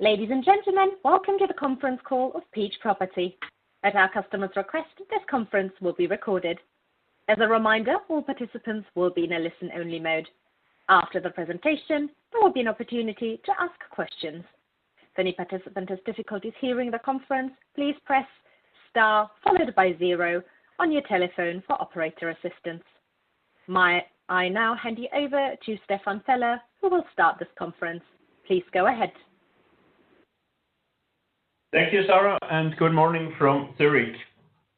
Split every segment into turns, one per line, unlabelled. Ladies and gentlemen, welcome to the conference call of Peach Property. At our customer's request, this conference will be recorded. As a reminder, all participants will be in a listen-only mode. After the presentation, there will be an opportunity to ask questions. If any participant has difficulties hearing the conference, please press star followed by zero on your telephone for operator assistance. May I now hand you over to Stefan Feller, who will start this conference. Please go ahead.
Thank you, Sara, and good morning from Zurich.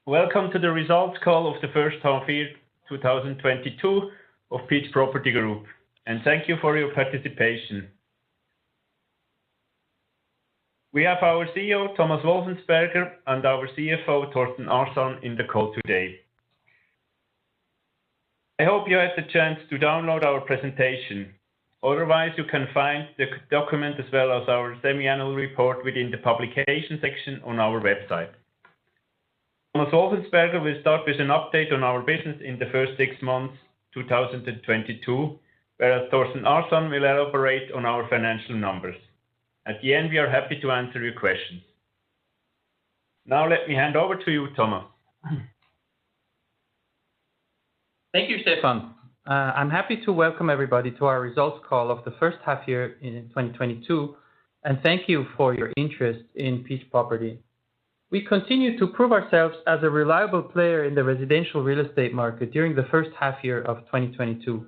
Welcome to the results call of the first half year 2022 of Peach Property Group, and thank you for your participation. We have our CEO, Thomas Wolfensberger, and our CFO, Thorsten Arsan, in the call today. I hope you had the chance to download our presentation. Otherwise, you can find the document as well as our semi-annual report within the publication section on our website. Thomas Wolfensberger will start with an update on our business in the first six months 2022, whereas Thorsten Arsan will elaborate on our financial numbers. At the end, we are happy to answer your questions. Now, let me hand over to you, Thomas.
Thank you, Stefan. I'm happy to welcome everybody to our results call of the first half year in 2022, and thank you for your interest in Peach Property. We continue to prove ourselves as a reliable player in the residential real estate market during the first half year of 2022.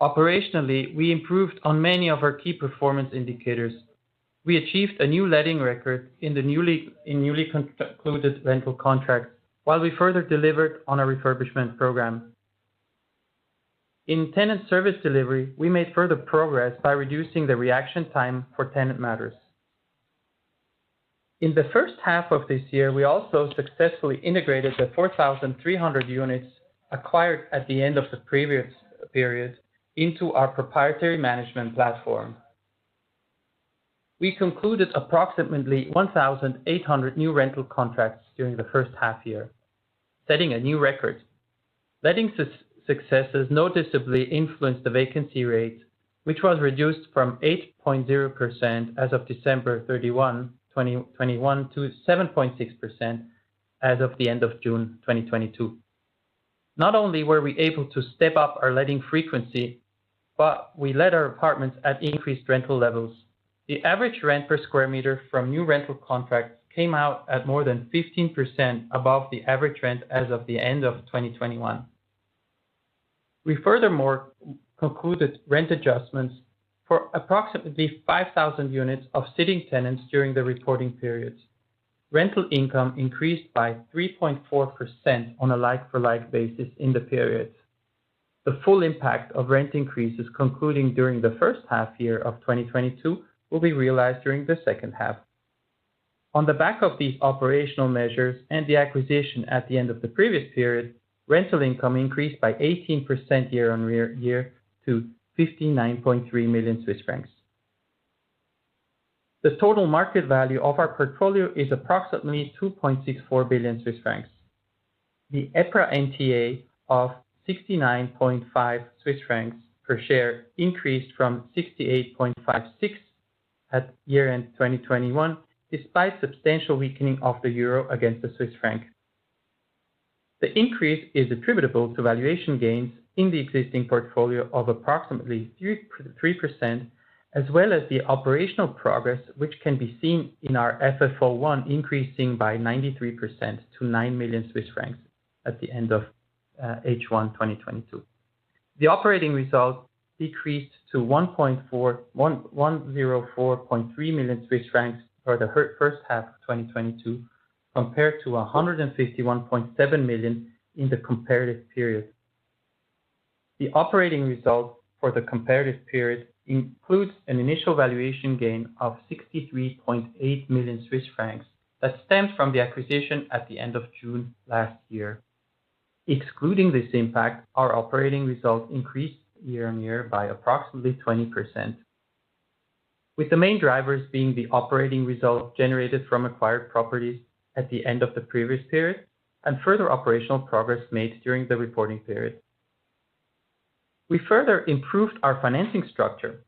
Operationally, we improved on many of our key performance indicators. We achieved a new letting record in the newly concluded rental contracts, while we further delivered on a refurbishment program. In tenant service delivery, we made further progress by reducing the reaction time for tenant matters. In the first half of this year, we also successfully integrated the 4,300 units acquired at the end of the previous period into our proprietary management platform. We concluded approximately 1,800 new rental contracts during the first half year, setting a new record. Letting success has noticeably influenced the vacancy rate, which was reduced from 8.0% as of December 31, 2021 to 7.6% as of the end of June 2022. Not only were we able to step up our letting frequency, but we let our apartments at increased rental levels. The average rent per square meter from new rental contracts came out at more than 15% above the average rent as of the end of 2021. We furthermore concluded rent adjustments for approximately 5,000 units of sitting tenants during the reporting periods. Rental income increased by 3.4% on a like-for-like basis in the periods. The full impact of rent increases concluding during the first half of 2022 will be realized during the second half. On the back of these operational measures and the acquisition at the end of the previous period, rental income increased by 18% year-on-year to 59.3 million Swiss francs. The total market value of our portfolio is approximately 2.64 billion Swiss francs. The EPRA NTA of 69.5 Swiss francs per share increased from 68.56 at year-end 2021, despite substantial weakening of the euro against the Swiss franc. The increase is attributable to valuation gains in the existing portfolio of approximately 3%, as well as the operational progress, which can be seen in our FFO I increasing by 93% to 9 million Swiss francs at the end of H1 2022. The operating results decreased to 104.3 million Swiss francs for the first half of 2022, compared to 151.7 million in the comparative period. The operating results for the comparative period includes an initial valuation gain of 63.8 million Swiss francs that stemmed from the acquisition at the end of June last year. Excluding this impact, our operating results increased year-over-year by approximately 20%, with the main drivers being the operating results generated from acquired properties at the end of the previous period and further operational progress made during the reporting period. We further improved our financing structure.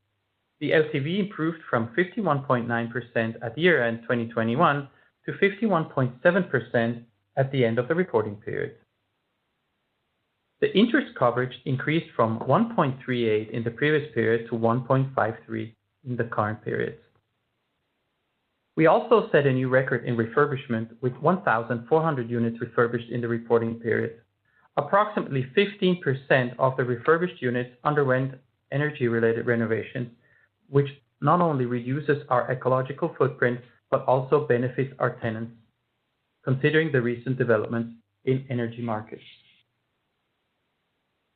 The LTV improved from 51.9%-51.7% at year-end 2021 to the end of the reporting period. The interest coverage increased from 1.38 in the previous period to 1.53 in the current period. We also set a new record in refurbishment with 1,400 units refurbished in the reporting period. Approximately 15% of the refurbished units underwent energy-related renovations, which not only reduces our ecological footprint, but also benefits our tenants, considering the recent developments in energy markets.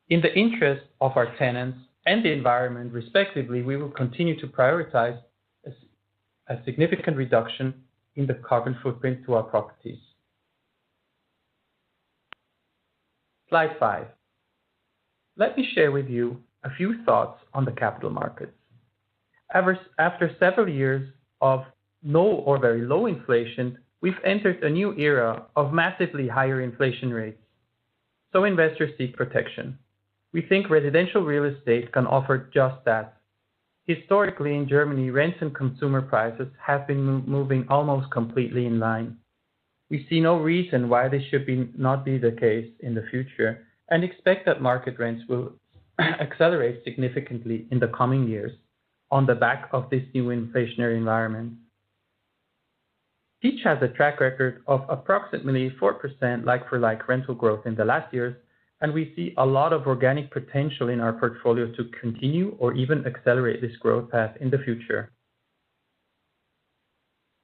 In the interest of our tenants and the environment, respectively, we will continue to prioritize a significant reduction in the carbon footprint to our properties. Slide five. Let me share with you a few thoughts on the capital markets. After several years of no or very low inflation, we've entered a new era of massively higher inflation rates. Investors seek protection. We think residential real estate can offer just that. Historically, in Germany, rents and consumer prices have been moving almost completely in line. We see no reason why this should not be the case in the future, and expect that market rents will accelerate significantly in the coming years on the back of this new inflationary environment. Peach has a track record of approximately 4% like for like rental growth in the last years, and we see a lot of organic potential in our portfolio to continue or even accelerate this growth path in the future.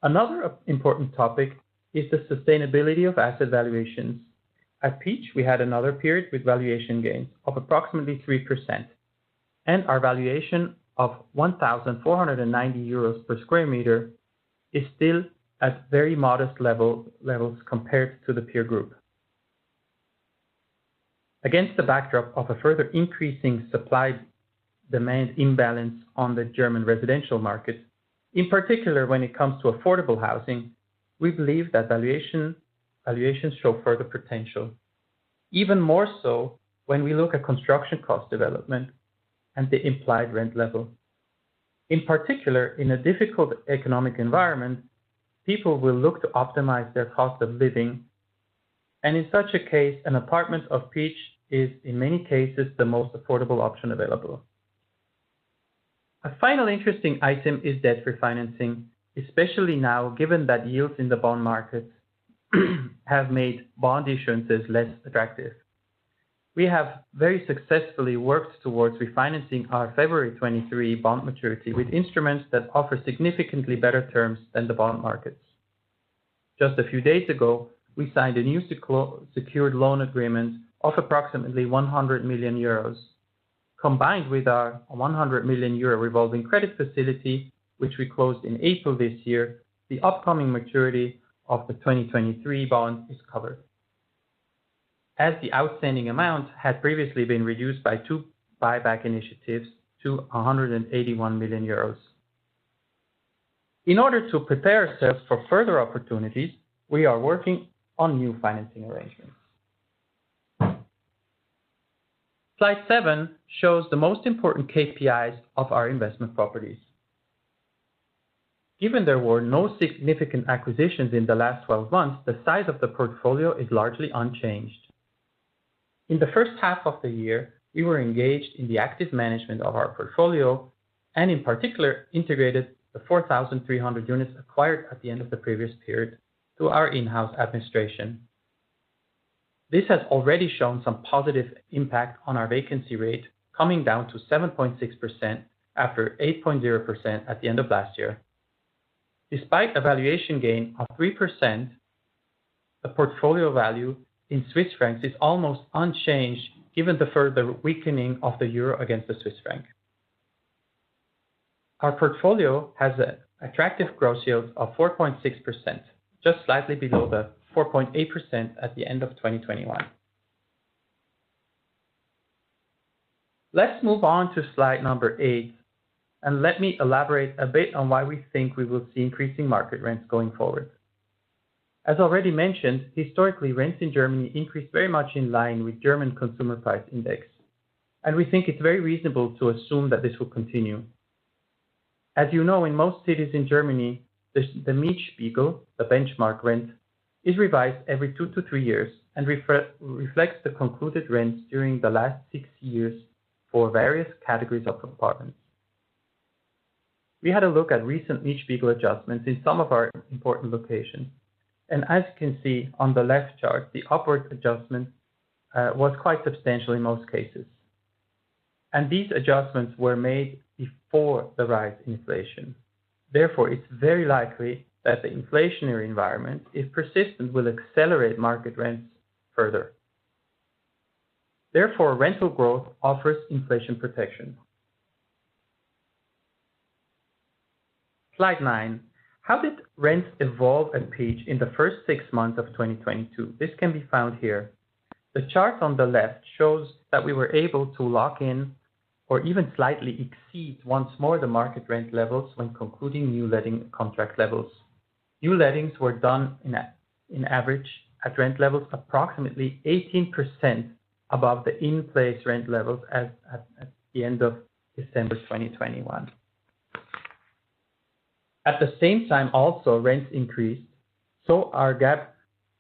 Another important topic is the sustainability of asset valuations. At Peach, we had another period with valuation gains of approximately 3%. Our valuation of 1,490 euros per square meter is still at very modest levels compared to the peer group. Against the backdrop of a further increasing supply-demand imbalance on the German residential market, in particular, when it comes to affordable housing, we believe that valuations show further potential. Even more so when we look at construction cost development and the implied rent level. In particular, in a difficult economic environment, people will look to optimize their cost of living. In such a case, an apartment of Peach is in many cases the most affordable option available. A final interesting item is debt refinancing, especially now, given that yields in the bond markets have made bond issuances less attractive. We have very successfully worked towards refinancing our February 2023 bond maturity with instruments that offer significantly better terms than the bond markets. Just a few days ago, we signed a new secured loan agreement of approximately 100 million euros. Combined with our 100 million euro revolving credit facility, which we closed in April this year, the upcoming maturity of the 2023 bond is covered. As the outstanding amount had previously been reduced by two buyback initiatives to 181 million euros. In order to prepare ourselves for further opportunities, we are working on new financing arrangements. Slide seven shows the most important KPIs of our investment properties. Given there were no significant acquisitions in the last 12 months, the size of the portfolio is largely unchanged. In the first half of the year, we were engaged in the active management of our portfolio, and in particular, integrated the 4,300 units acquired at the end of the previous period to our in-house administration. This has already shown some positive impact on our vacancy rate, coming down to 7.6% after 8.0% at the end of last year. Despite a valuation gain of 3%, the portfolio value in Swiss francs is almost unchanged given the further weakening of the euro against the Swiss franc. Our portfolio has an attractive gross yield of 4.6%, just slightly below the 4.8% at the end of 2021. Let's move on to slide number eight, and let me elaborate a bit on why we think we will see increasing market rents going forward. As already mentioned, historically, rents in Germany increased very much in line with German consumer price index, and we think it's very reasonable to assume that this will continue. As you know, in most cities in Germany, the Mietspiegel, the Benchmark rent, is revised every two to three years and reflects the concluded rents during the last six years for various categories of apartments. We had a look at recent Mietspiegel adjustments in some of our important locations. As you can see on the left chart, the upward adjustment was quite substantial in most cases. These adjustments were made before the rise in inflation. Therefore, it's very likely that the inflationary environment, if persistent, will accelerate market rents further. Therefore, rental growth offers inflation protection. Slide 9. How did rents evolve at Peach in the first six months of 2022? This can be found here. The chart on the left shows that we were able to lock in or even slightly exceed once more the market rent levels when concluding new letting contract levels. New lettings were done on average at rent levels approximately 18% above the in-place rent levels at the end of December 2021. At the same time also, rents increased. Our gap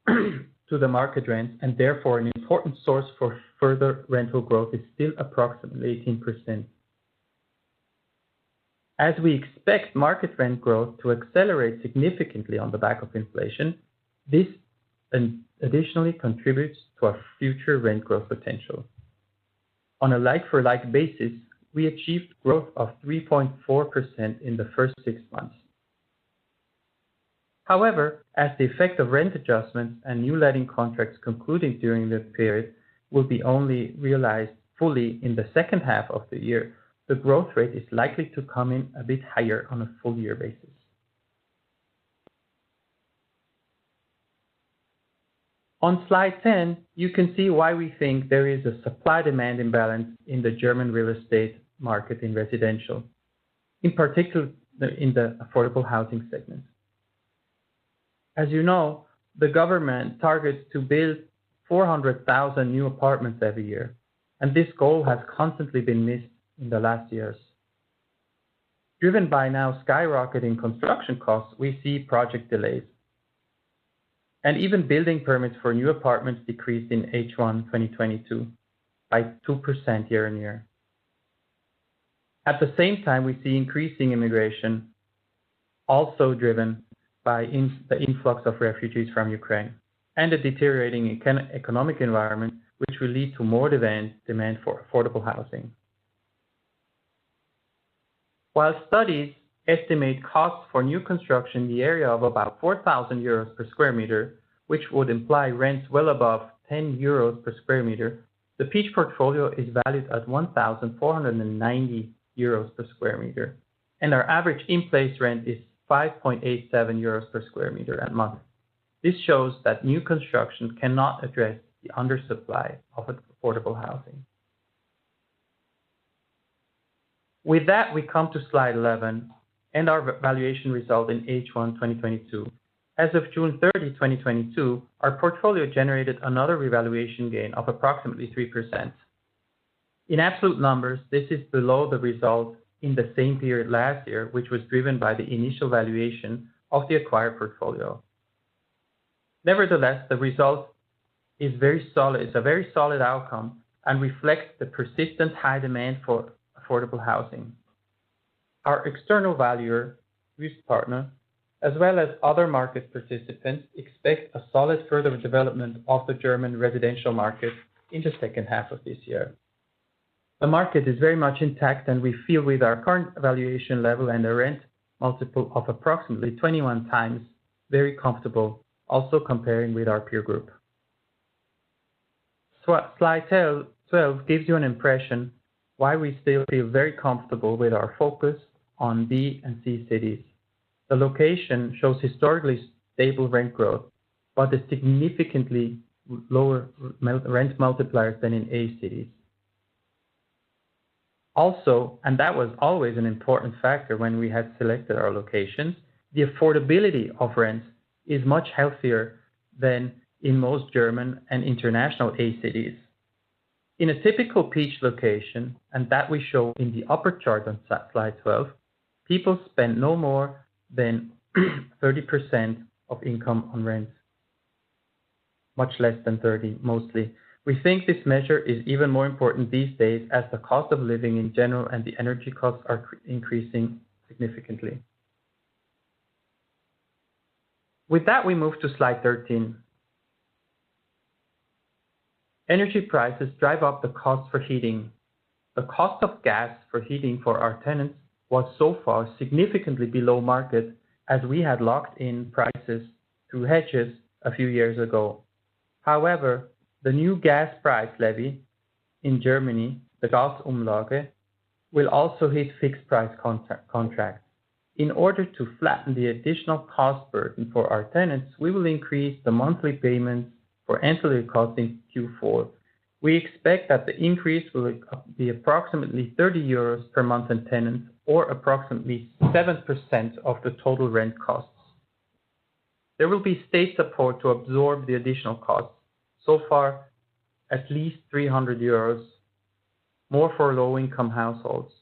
to the market rents, and therefore an important source for further rental growth, is still approximately 18%. As we expect market rent growth to accelerate significantly on the back of inflation, this additionally contributes to our future rent growth potential. On a like-for-like basis, we achieved growth of 3.4% in the first six months. However, as the effect of rent adjustments and new letting contracts concluding during this period will be only realized fully in the second half of the year, the growth rate is likely to come in a bit higher on a full year basis. On slide 10, you can see why we think there is a supply-demand imbalance in the German real estate market in residential, in particular in the affordable housing segment. As you know, the government targets to build 400,000 new apartments every year, and this goal has constantly been missed in the last years. Driven by now skyrocketing construction costs, we see project delays. Even building permits for new apartments decreased in H1 2022 by 2% year-on-year. At the same time, we see increasing immigration also driven by the influx of refugees from Ukraine and a deteriorating socio-economic environment, which will lead to more demand for affordable housing. While studies estimate costs for new construction in the area of about 4,000 euros per sqm, which would imply rents well above 10 euros per sqm, the Peach portfolio is valued at 1,490 euros per sqm and our average in-place rent is 5.87 euros per sqm a month. This shows that new construction cannot address the undersupply of affordable housing. With that, we come to slide 11 and our valuation result in H1 2022. As of June 30th, 2022, our portfolio generated another revaluation gain of approximately 3%. In absolute numbers, this is below the result in the same period last year, which was driven by the initial valuation of the acquired portfolio. Nevertheless, the result is very solid. It's a very solid outcome and reflects the persistent high demand for affordable housing. Our external valuer, risk partner, as well as other market participants, expect a solid further development of the German residential market in the second half of this year. The market is very much intact, and we feel with our current valuation level and the rent multiple of approximately 21x, very comfortable also comparing with our peer group. Slide 12 gives you an impression why we still feel very comfortable with our focus on B and C cities. The location shows historically stable rent growth, but a significantly lower market rent multiplier than in A cities. That was always an important factor when we had selected our locations, the affordability of rents is much healthier than in most German and international A cities. In a typical Peach location, and that we show in the upper chart on slide 12, people spend no more than 30% of income on rent. Much less than 30, mostly. We think this measure is even more important these days as the cost of living in general and the energy costs are increasing significantly. With that, we move to slide 13. Energy prices drive up the cost for heating. The cost of gas for heating for our tenants was so far significantly below market as we had locked in prices through hedges a few years ago. However, the new gas price levy in Germany, the Gasumlage, will also hit fixed price contracts. In order to flatten the additional cost burden for our tenants, we will increase the monthly payments for ancillary costs in Q4. We expect that the increase will be approximately 30 euros per month for tenants or approximately 7% of the total rent costs. There will be state support to absorb the additional costs. Far, at least 300 euros, more for low-income households.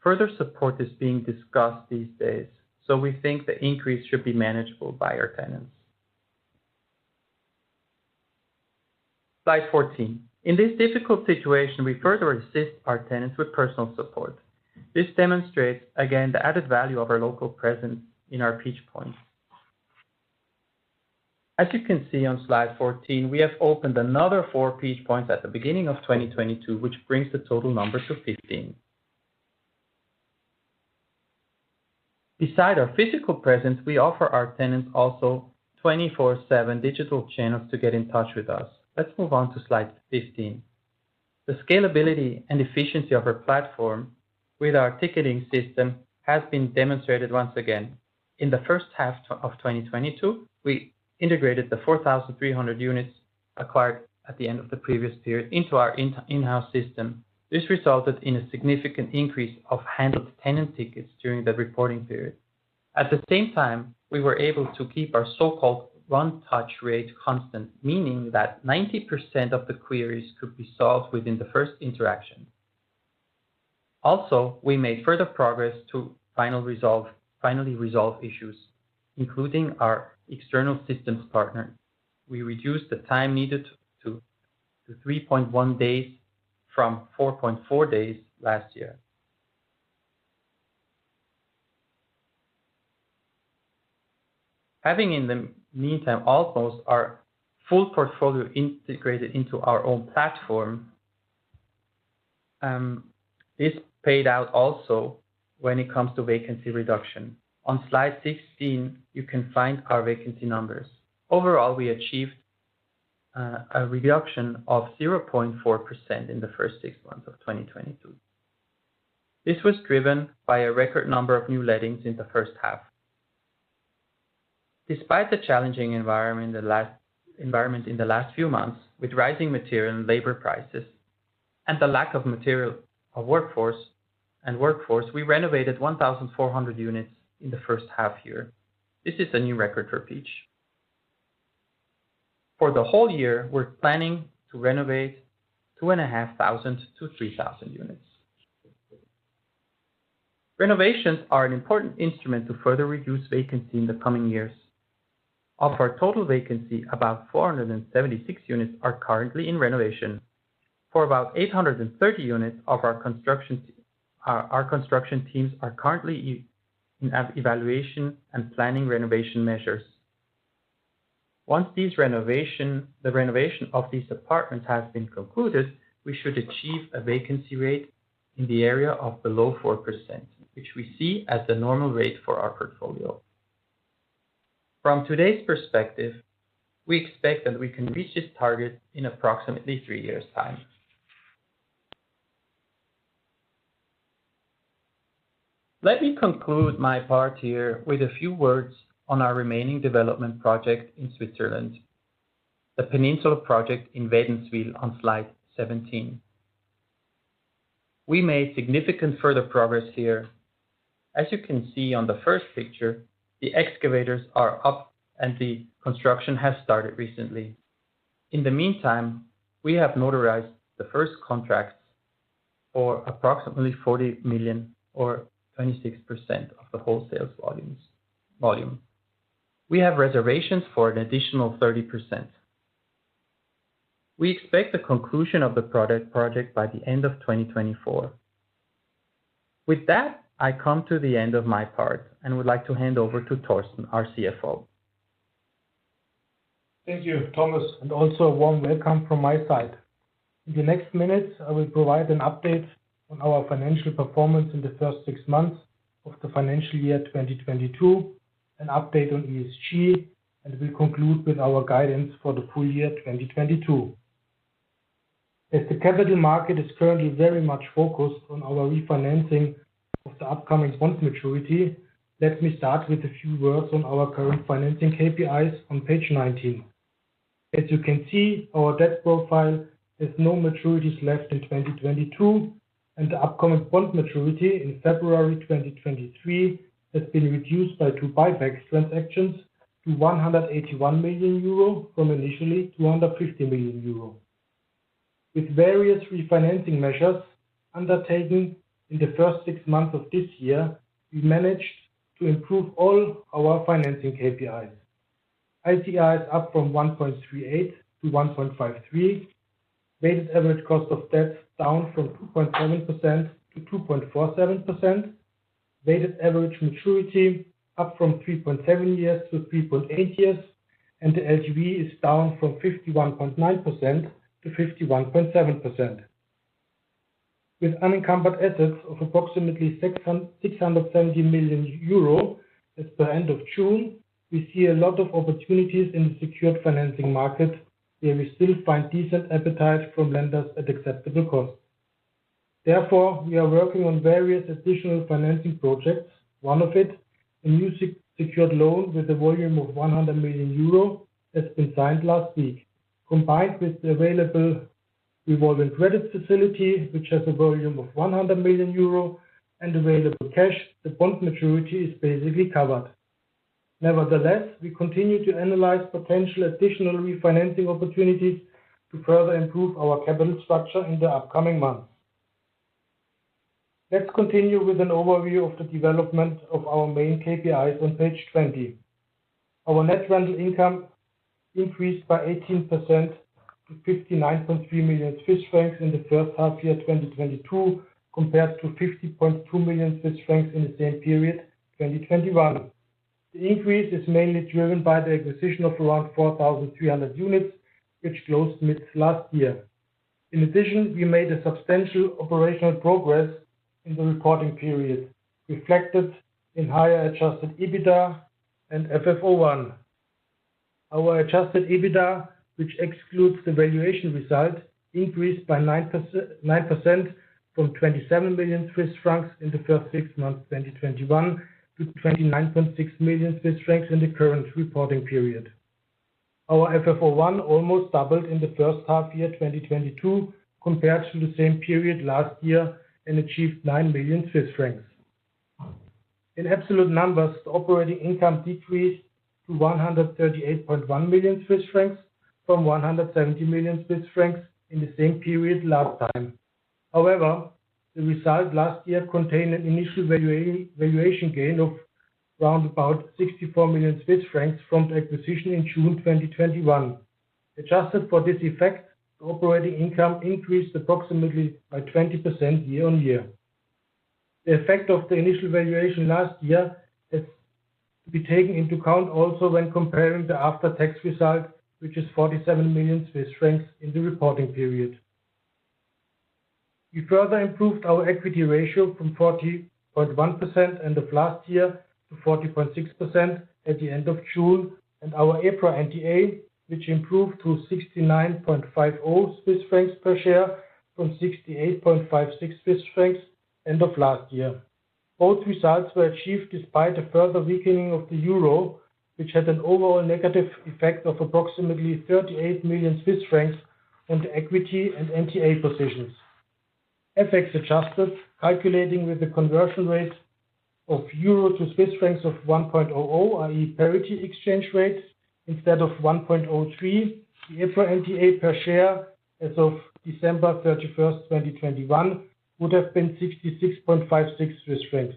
Further support is being discussed these days, so we think the increase should be manageable by our tenants. Slide 14. In this difficult situation, we further assist our tenants with personal support. This demonstrates again the added value of our local presence in our Peach Points. As you can see on slide 14, we have opened another four Peach Points at the beginning of 2022, which brings the total number to 15. Besides our physical presence, we offer our tenants also 24/7 digital channels to get in touch with us. Let's move on to slide 15. The scalability and efficiency of our platform with our ticketing system has been demonstrated once again. In the first half of 2022, we integrated the 4,300 units acquired at the end of the previous period into our in-house system. This resulted in a significant increase of handled tenant tickets during the reporting period. At the same time, we were able to keep our so-called one touch rate constant, meaning that 90% of the queries could be solved within the first interaction. Also, we made further progress to finally resolve issues, including our external systems partner. We reduced the time needed to 3.1 days from 4.4 days last year. Having in the meantime almost our full portfolio integrated into our own platform, this paid out also when it comes to vacancy reduction. On slide 16, you can find our vacancy numbers. Overall, we achieved a reduction of 0.4% in the first six months of 2022. This was driven by a record number of new lettings in the first half. Despite the challenging environment in the last few months, with rising material and labor prices and the lack of material and workforce, we renovated 1,400 units in the first half year. This is a new record for Peach. For the whole year, we're planning to renovate 2,500-3,000 units. Renovations are an important instrument to further reduce vacancy in the coming years. Of our total vacancy, about 476 units are currently in renovation. For about 830 units, our construction teams are currently in evaluation and planning renovation measures. Once the renovation of these apartments has been concluded, we should achieve a vacancy rate in the area of below 4%, which we see as the normal rate for our portfolio. From today's perspective, we expect that we can reach this target in approximately three years' time. Let me conclude my part here with a few words on our remaining development project in Switzerland, the Peninsula project in Wädenswil on slide 17. We made significant further progress here. As you can see on the first picture, the excavators are up, and the construction has started recently. In the meantime, we have notarized the first contracts for approximately 40 million or 26% of the wholesale volume. We have reservations for an additional 30%. We expect the conclusion of the Peninsula project by the end of 2024. With that, I come to the end of my part and would like to hand over to Thorsten Arsan, our CFO.
Thank you, Thomas, and also a warm welcome from my side. In the next minutes, I will provide an update on our financial performance in the first six months of the financial year 2022, an update on ESG, and will conclude with our guidance for the full year 2022. As the capital market is currently very much focused on our refinancing of the upcoming bond maturity, let me start with a few words on our current financing KPIs on page 19. As you can see, our debt profile has no maturities left in 2022, and the upcoming bond maturity in February 2023 has been reduced by two buyback transactions to 181 million euro from initially 250 million euro. With various refinancing measures undertaken in the first six months of this year, we managed to improve all our financing KPIs. ICIs up from 1.38 to 1.53. Weighted average cost of debt down from 2.7%-2.47%. Weighted average maturity up from 3.7 years to 3.8 years, and the LTV is down from 51.9%-51.7%. With unencumbered assets of approximately 670 million euro as per end of June, we see a lot of opportunities in the secured financing market, where we still find decent appetite from lenders at acceptable cost. Therefore, we are working on various additional financing projects. One of it, a new secured loan with a volume of 100 million euro, has been signed last week. Combined with the available revolving credit facility, which has a volume of 100 million euro and available cash, the bond maturity is basically covered. Nevertheless, we continue to analyze potential additional refinancing opportunities to further improve our capital structure in the upcoming months. Let's continue with an overview of the development of our main KPIs on page 20. Our net rental income increased by 18% to 59.3 million Swiss francs in the first half year, 2022, compared to 50.2 million Swiss francs in the same period, 2021. The increase is mainly driven by the acquisition of around 4,300 units, which closed mid last year. In addition, we made a substantial operational progress in the reporting period, reflected in higher adjusted EBITDA and FFO I. Our adjusted EBITDA, which excludes the valuation result, increased by 9% from 27 million Swiss francs in the first six months, 2021, to 29.6 million Swiss francs in the current reporting period. Our FFO I almost doubled in the first half year, 2022, compared to the same period last year and achieved 9 million Swiss francs. In absolute numbers, the operating income decreased to 138.1 million Swiss francs from 170 million Swiss francs in the same period last time. However, the result last year contained an initial valuation gain of around 64 million Swiss francs from the acquisition in June 2021. Adjusted for this effect, the operating income increased approximately by 20% year on year. The effect of the initial valuation last year is to be taken into account also when comparing the after-tax result, which is 47 million Swiss francs in the reporting period. We further improved our equity ratio from 40.1% end of last year to 40.6% at the end of June, and our EPRA NTA, which improved to 69.50 Swiss francs per share from 68.56 Swiss francs end of last year. Both results were achieved despite a further weakening of the euro, which had an overall negative effect of approximately 38 million Swiss francs on the equity and NTA positions. FX adjusted, calculating with the conversion rate of euro to Swiss francs of 1.0, i.e. parity exchange rate instead of 1.03. The NTA per share as of December 31st, 2021 would have been 66.56.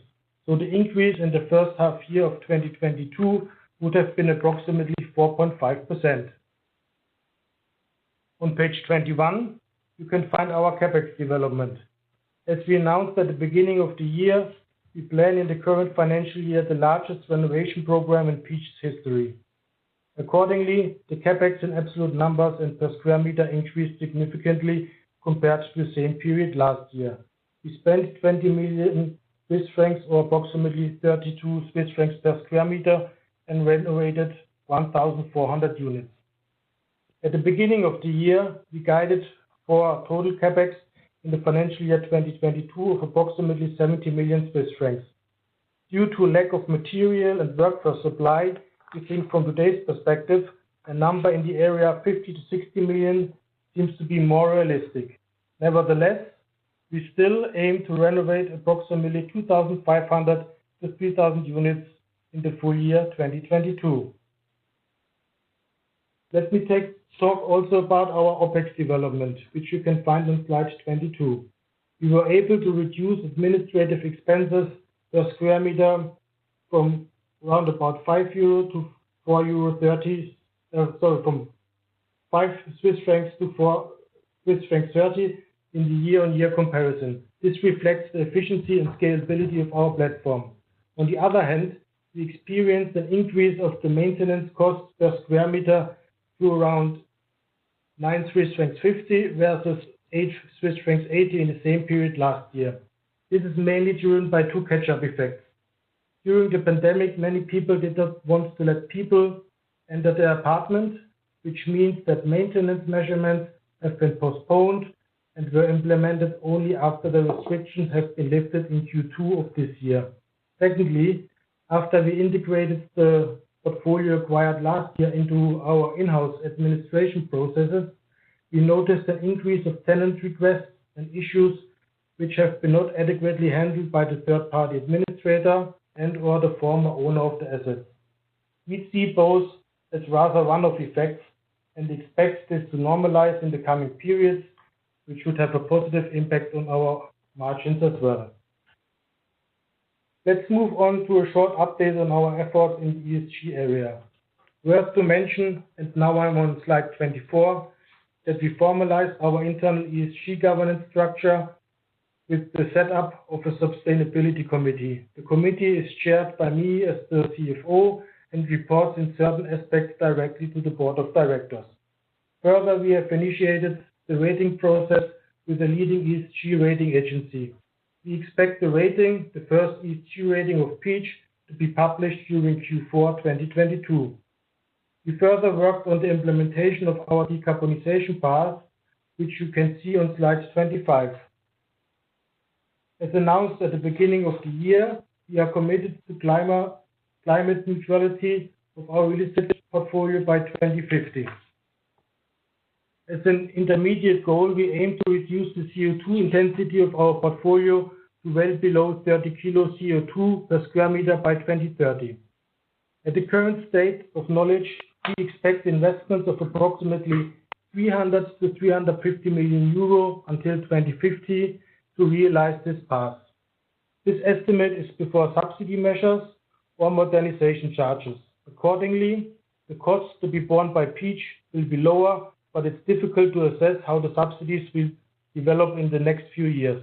The increase in the first half year of 2022 would have been approximately 4.5%. On page 21, you can find our CapEx development. As we announced at the beginning of the year, we plan in the current financial year, the largest renovation program in Peach's history. Accordingly, the CapEx in absolute numbers and per square meter increased significantly compared to the same period last year. We spent 20 million Swiss francs or approximately 32 Swiss francs per sqm and renovated 1,400 units. At the beginning of the year, we guided for our total CapEx in the financial year 2022 of approximately 70 million Swiss francs. Due to lack of material and workforce supply, we think from today's perspective, a number in the area of 50-60 million seems to be more realistic. Nevertheless, we still aim to renovate approximately 2,500-3,000 units in the full year 2022. Let me talk also about our OpEx development, which you can find on slide 22. We were able to reduce administrative expenses per square meter from round about CHF 5-CHF 4.30 in the year-on-year comparison. This reflects the efficiency and scalability of our platform. On the other hand, we experienced an increase of the maintenance costs per square meter to around 9.50 Swiss francs versus 8.80 Swiss francs in the same period last year. This is mainly driven by two catch-up effects. During the pandemic, many people did not want to let people enter their apartment, which means that maintenance measures have been postponed and were implemented only after the restrictions have been lifted in Q2 of this year. Secondly, after we integrated the portfolio acquired last year into our in-house administration processes, we noticed an increase of tenant requests and issues which have not been adequately handled by the third-party administrator and/or the former owner of the assets. We see both as rather one-off effects and expect this to normalize in the coming periods, which should have a positive impact on our margins as well. Let's move on to a short update on our efforts in the ESG area. We have to mention, and now I'm on slide 24, that we formalized our internal ESG governance structure with the setup of a sustainability committee. The committee is chaired by me as the CFO and reports in certain aspects directly to the board of directors. Further, we have initiated the rating process with a leading ESG rating agency. We expect the rating, the first ESG rating of Peach, to be published during Q4 2022. We further worked on the implementation of our decarbonization path, which you can see on slide 25. As announced at the beginning of the year, we are committed to climate neutrality of our real estate portfolio by 2050. As an intermediate goal, we aim to reduce the CO2 intensity of our portfolio to well below 30 kg CO2 per square meter by 2030. At the current state of knowledge, we expect investments of approximately 300 million-350 million euro until 2050 to realize this path. This estimate is before subsidy measures or modernization charges. Accordingly, the cost to be borne by Peach will be lower, but it's difficult to assess how the subsidies will develop in the next few years.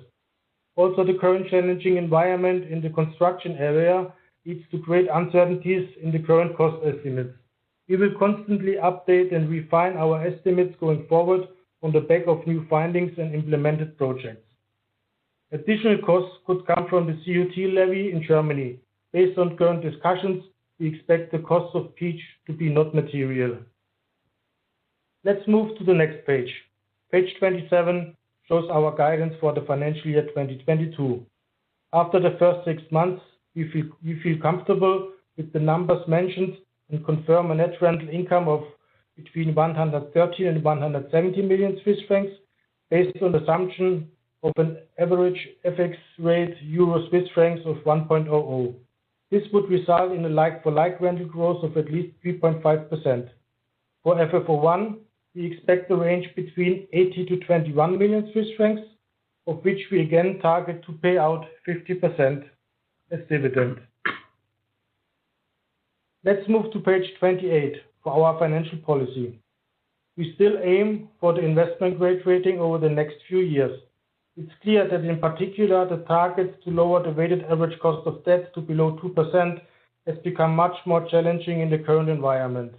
Also, the current challenging environment in the construction area leads to great uncertainties in the current cost estimates. We will constantly update and refine our estimates going forward on the back of new findings and implemented projects. Additional costs could come from the CO2 levy in Germany. Based on current discussions, we expect the cost of Peach to be not material. Let's move to the next page. Page 27 shows our guidance for the financial year 2022. After the first six months, we feel comfortable with the numbers mentioned and confirm a net rental income of between 130 million and 170 million Swiss francs, based on assumption of an average FX rate EUR-CHF of 1.00. This would result in a like-for-like rental growth of at least 3.5%. For FFO I, we expect the range between 80 million Swiss francs and CHF 121 million, of which we again target to pay out 50% as dividend. Let's move to page 28 for our financial policy. We still aim for the investment-grade rating over the next few years. It's clear that in particular, the targets to lower the weighted average cost of debt to below 2% has become much more challenging in the current environment.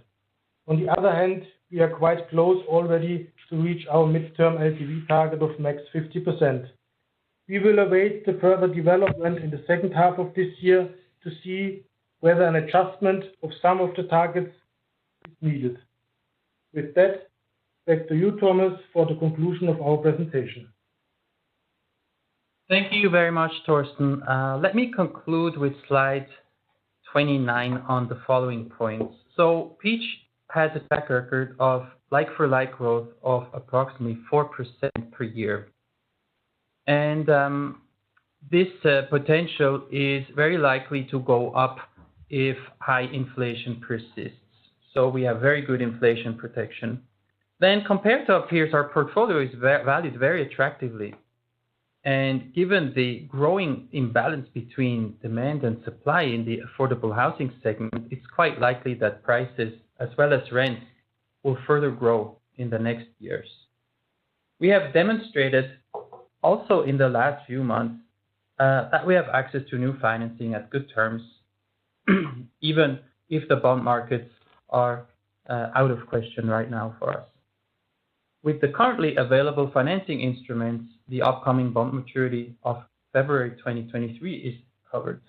On the other hand, we are quite close already to reach our midterm LTV target of max 50%. We will await the further development in the second half of this year to see whether an adjustment of some of the targets is needed. With that, back to you, Thomas, for the conclusion of our presentation.
Thank you very much, Thorsten. Let me conclude with slide 29 on the following points. Peach has a track record of like-for-like growth of approximately 4% per year. This potential is very likely to go up if high inflation persists. We have very good inflation protection. Compared to our peers, our portfolio is undervalued very attractively. Given the growing imbalance between demand and supply in the affordable housing segment, it's quite likely that prices as well as rents will further grow in the next years. We have demonstrated also in the last few months that we have access to new financing at good terms, even if the bond markets are out of the question right now for us. With the currently available financing instruments, the upcoming bond maturity of February 2023 is covered.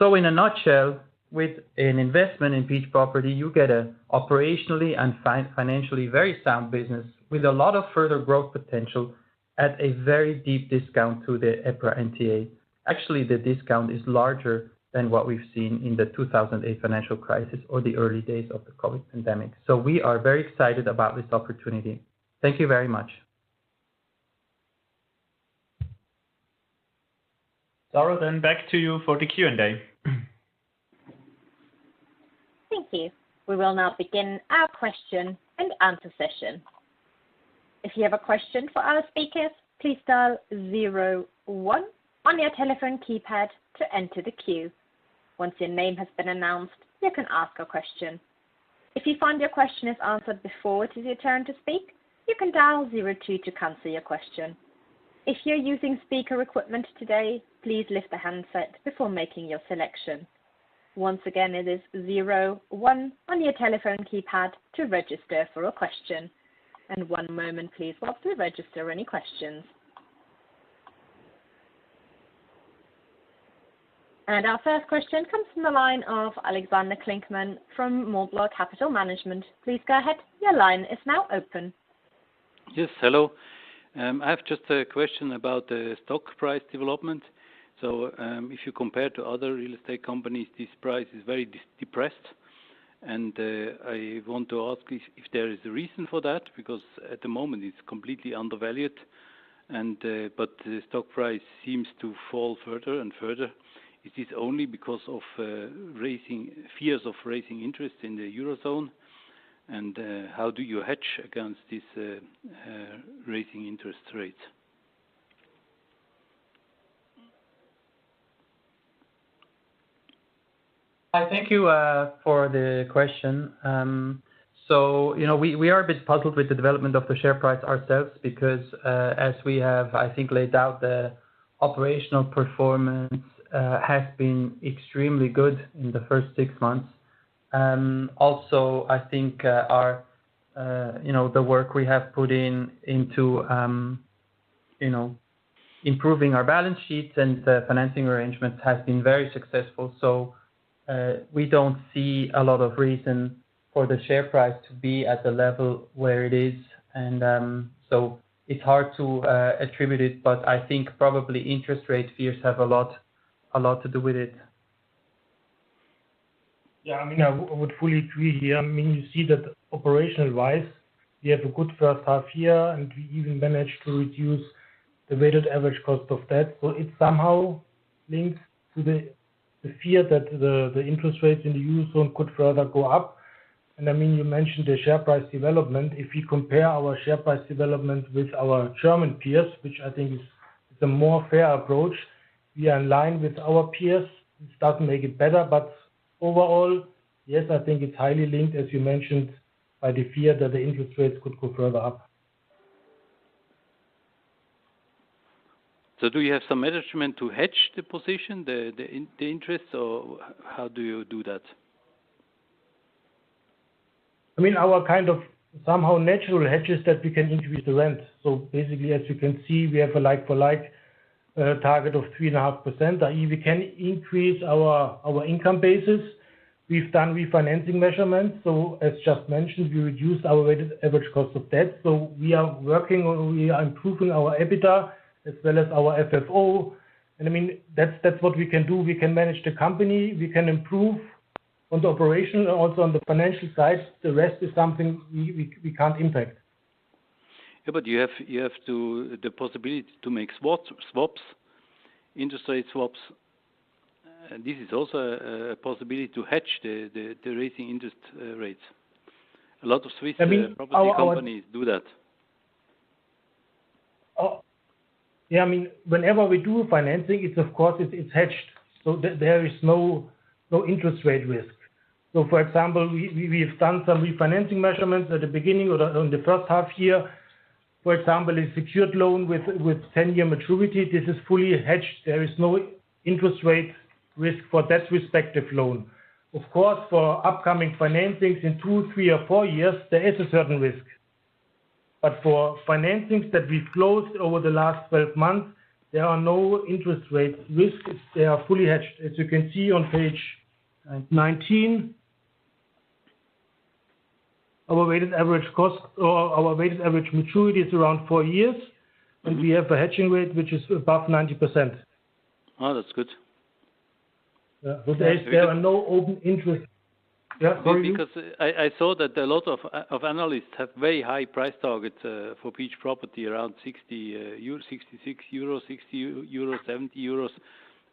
In a nutshell, with an investment in Peach Property, you get a operationally and financially very sound business with a lot of further growth potential at a very deep discount to the EPRA NTA. Actually, the discount is larger than what we've seen in the 2008 financial crisis or the early days of the COVID pandemic. We are very excited about this opportunity. Thank you very much.
Sarah, back to you for the Q&A.
Thank you. We will now begin our question and answer session. If you have a question for our speakers, please dial zero one on your telephone keypad to enter the queue. Once your name has been announced, you can ask a question. If you find your question is answered before it is your turn to speak, you can dial zero two to cancel your question. If you're using speaker equipment today, please lift the handset before making your selection. Once again, it is zero one on your telephone keypad to register for a question. One moment, please, while we register any questions. Our first question comes from the line of Alexander Klinkmann from Mont Blanc Capital Management. Please go ahead. Your line is now open.
Yes, hello. I have just a question about the stock price development. If you compare to other real estate companies, this price is very depressed. I want to ask if there is a reason for that, because at the moment it's completely undervalued, but the stock price seems to fall further and further. Is this only because of fears of rising interest in the Eurozone? How do you hedge against this rising interest rates?
Hi, thank you for the question. You know, we are a bit puzzled with the development of the share price ourselves because, as we have, I think, laid out, the operational performance has been extremely good in the first six months. Also, I think, you know, the work we have put into, you know, improving our balance sheets and the financing arrangements has been very successful. We don't see a lot of reason for the share price to be at the level where it is. It's hard to attribute it, but I think probably interest rate fears have a lot to do with it.
Yeah. I mean, I would fully agree here. I mean, you see that operational-wise, we have a good first half year, and we even managed to reduce the weighted average cost of debt. It somehow links to the fear that the interest rates in the Eurozone could further go up. I mean, you mentioned the share price development. If you compare our share price development with our German peers, which I think is a more fair approach, we are in line with our peers. It doesn't make it better. Overall, yes, I think it's highly linked, as you mentioned, by the fear that the interest rates could go further up.
Do you have some measurement to hedge the position, the interest, or how do you do that?
I mean, our kind of somehow natural hedges that we can increase the rent. Basically, as you can see, we have a like for like target of 3.5%, i.e., we can increase our income basis. We've done refinancing measures. As just mentioned, we reduced our weighted average cost of debt. We are working on. We are improving our EBITDA as well as our FFO. I mean, that's what we can do. We can manage the company, we can improve on the operation, also on the financial side. The rest is something we can't impact.
Yeah, you have the possibility to make swaps, interest rate swaps. This is also a possibility to hedge the rising interest rates. A lot of Swiss
I mean, our
Property companies do that.
Yeah, I mean, whenever we do financing, it's of course hedged. There is no interest rate risk. For example, we've done some refinancing measures in the first half year. For example, a secured loan with 10-year maturity. This is fully hedged. There is no interest rate risk for that respective loan. Of course, for upcoming financings in two, three or four years, there is a certain risk. For financings that we've closed over the last 12 months, there are no interest rate risks. They are fully hedged. As you can see on page 19, our weighted average cost or our weighted average maturity is around four years, and we have a hedging rate which is above 90%.
Oh, that's good.
Yeah. There are no open interest. Yeah.
Well, because I saw that a lot of analysts have very high price targets for Peach Property around 66 euros, 60 euros, 70 euros.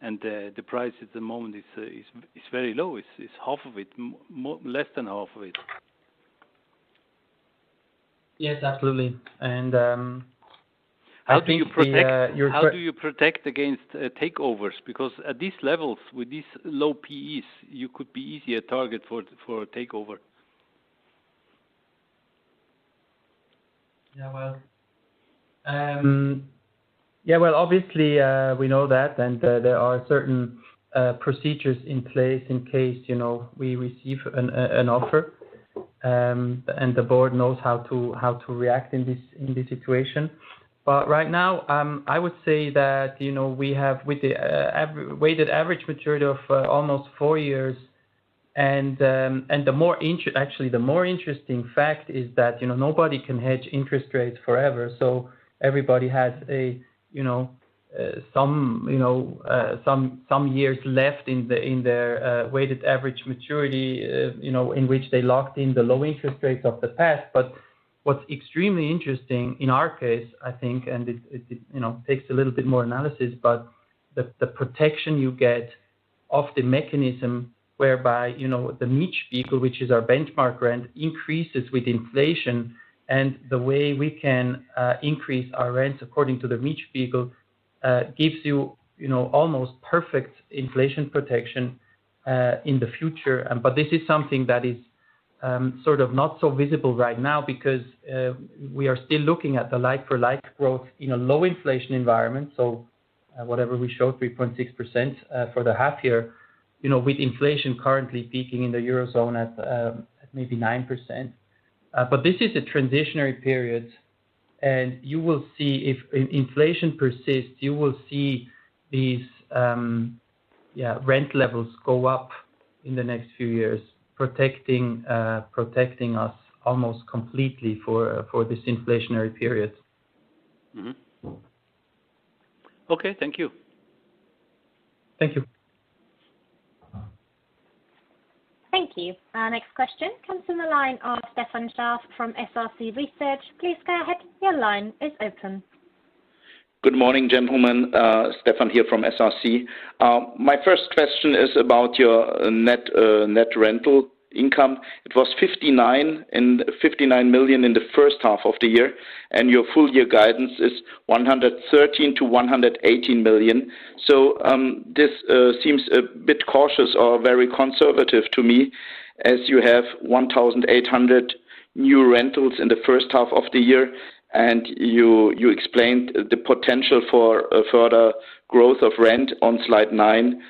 The price at the moment is very low. It's half of it. Less than half of it.
Yes, absolutely.
How do you protect against takeovers? Because at these levels, with these low PEs, you could be easy a target for a takeover.
Obviously, we know that, and there are certain procedures in place in case, you know, we receive an offer, and the board knows how to react in this situation. Right now, I would say that, you know, we have with the weighted average maturity of almost four years and actually, the more interesting fact is that, you know, nobody can hedge interest rates forever. Everybody has a, you know, some years left in their weighted average maturity, you know, in which they locked in the low interest rates of the past. What's extremely interesting in our case, I think, and it you know, takes a little bit more analysis, but the protection you get of the mechanism whereby, you know, the Mietspiegel, which is our benchmark rent, increases with inflation. The way we can increase our rents according to the Mietspiegel gives you know, almost perfect inflation protection in the future. This is something that is sort of not so visible right now because we are still looking at the like for like growth in a low inflation environment. Whatever we show, 3.6%, for the half year, you know, with inflation currently peaking in the Eurozone at maybe 9%. This is a transitional period, and you will see if inflation persists, you will see these rent levels go up in the next few years, protecting us almost completely for this inflationary period.
Mm-hmm. Okay. Thank you.
Thank you.
Thank you. Our next question comes from the line of Stefan Schäfer from SRC Research. Please go ahead. Your line is open.
Good morning, gentlemen. Stefan here from SRC. My first question is about your net rental income. It was 59 million in the first half of the year, and your full year guidance is 113 million-118 million. This seems a bit cautious or very conservative to me as you have 1,800 new rentals in the first half of the year. You explained the potential for further growth of rent on slide nine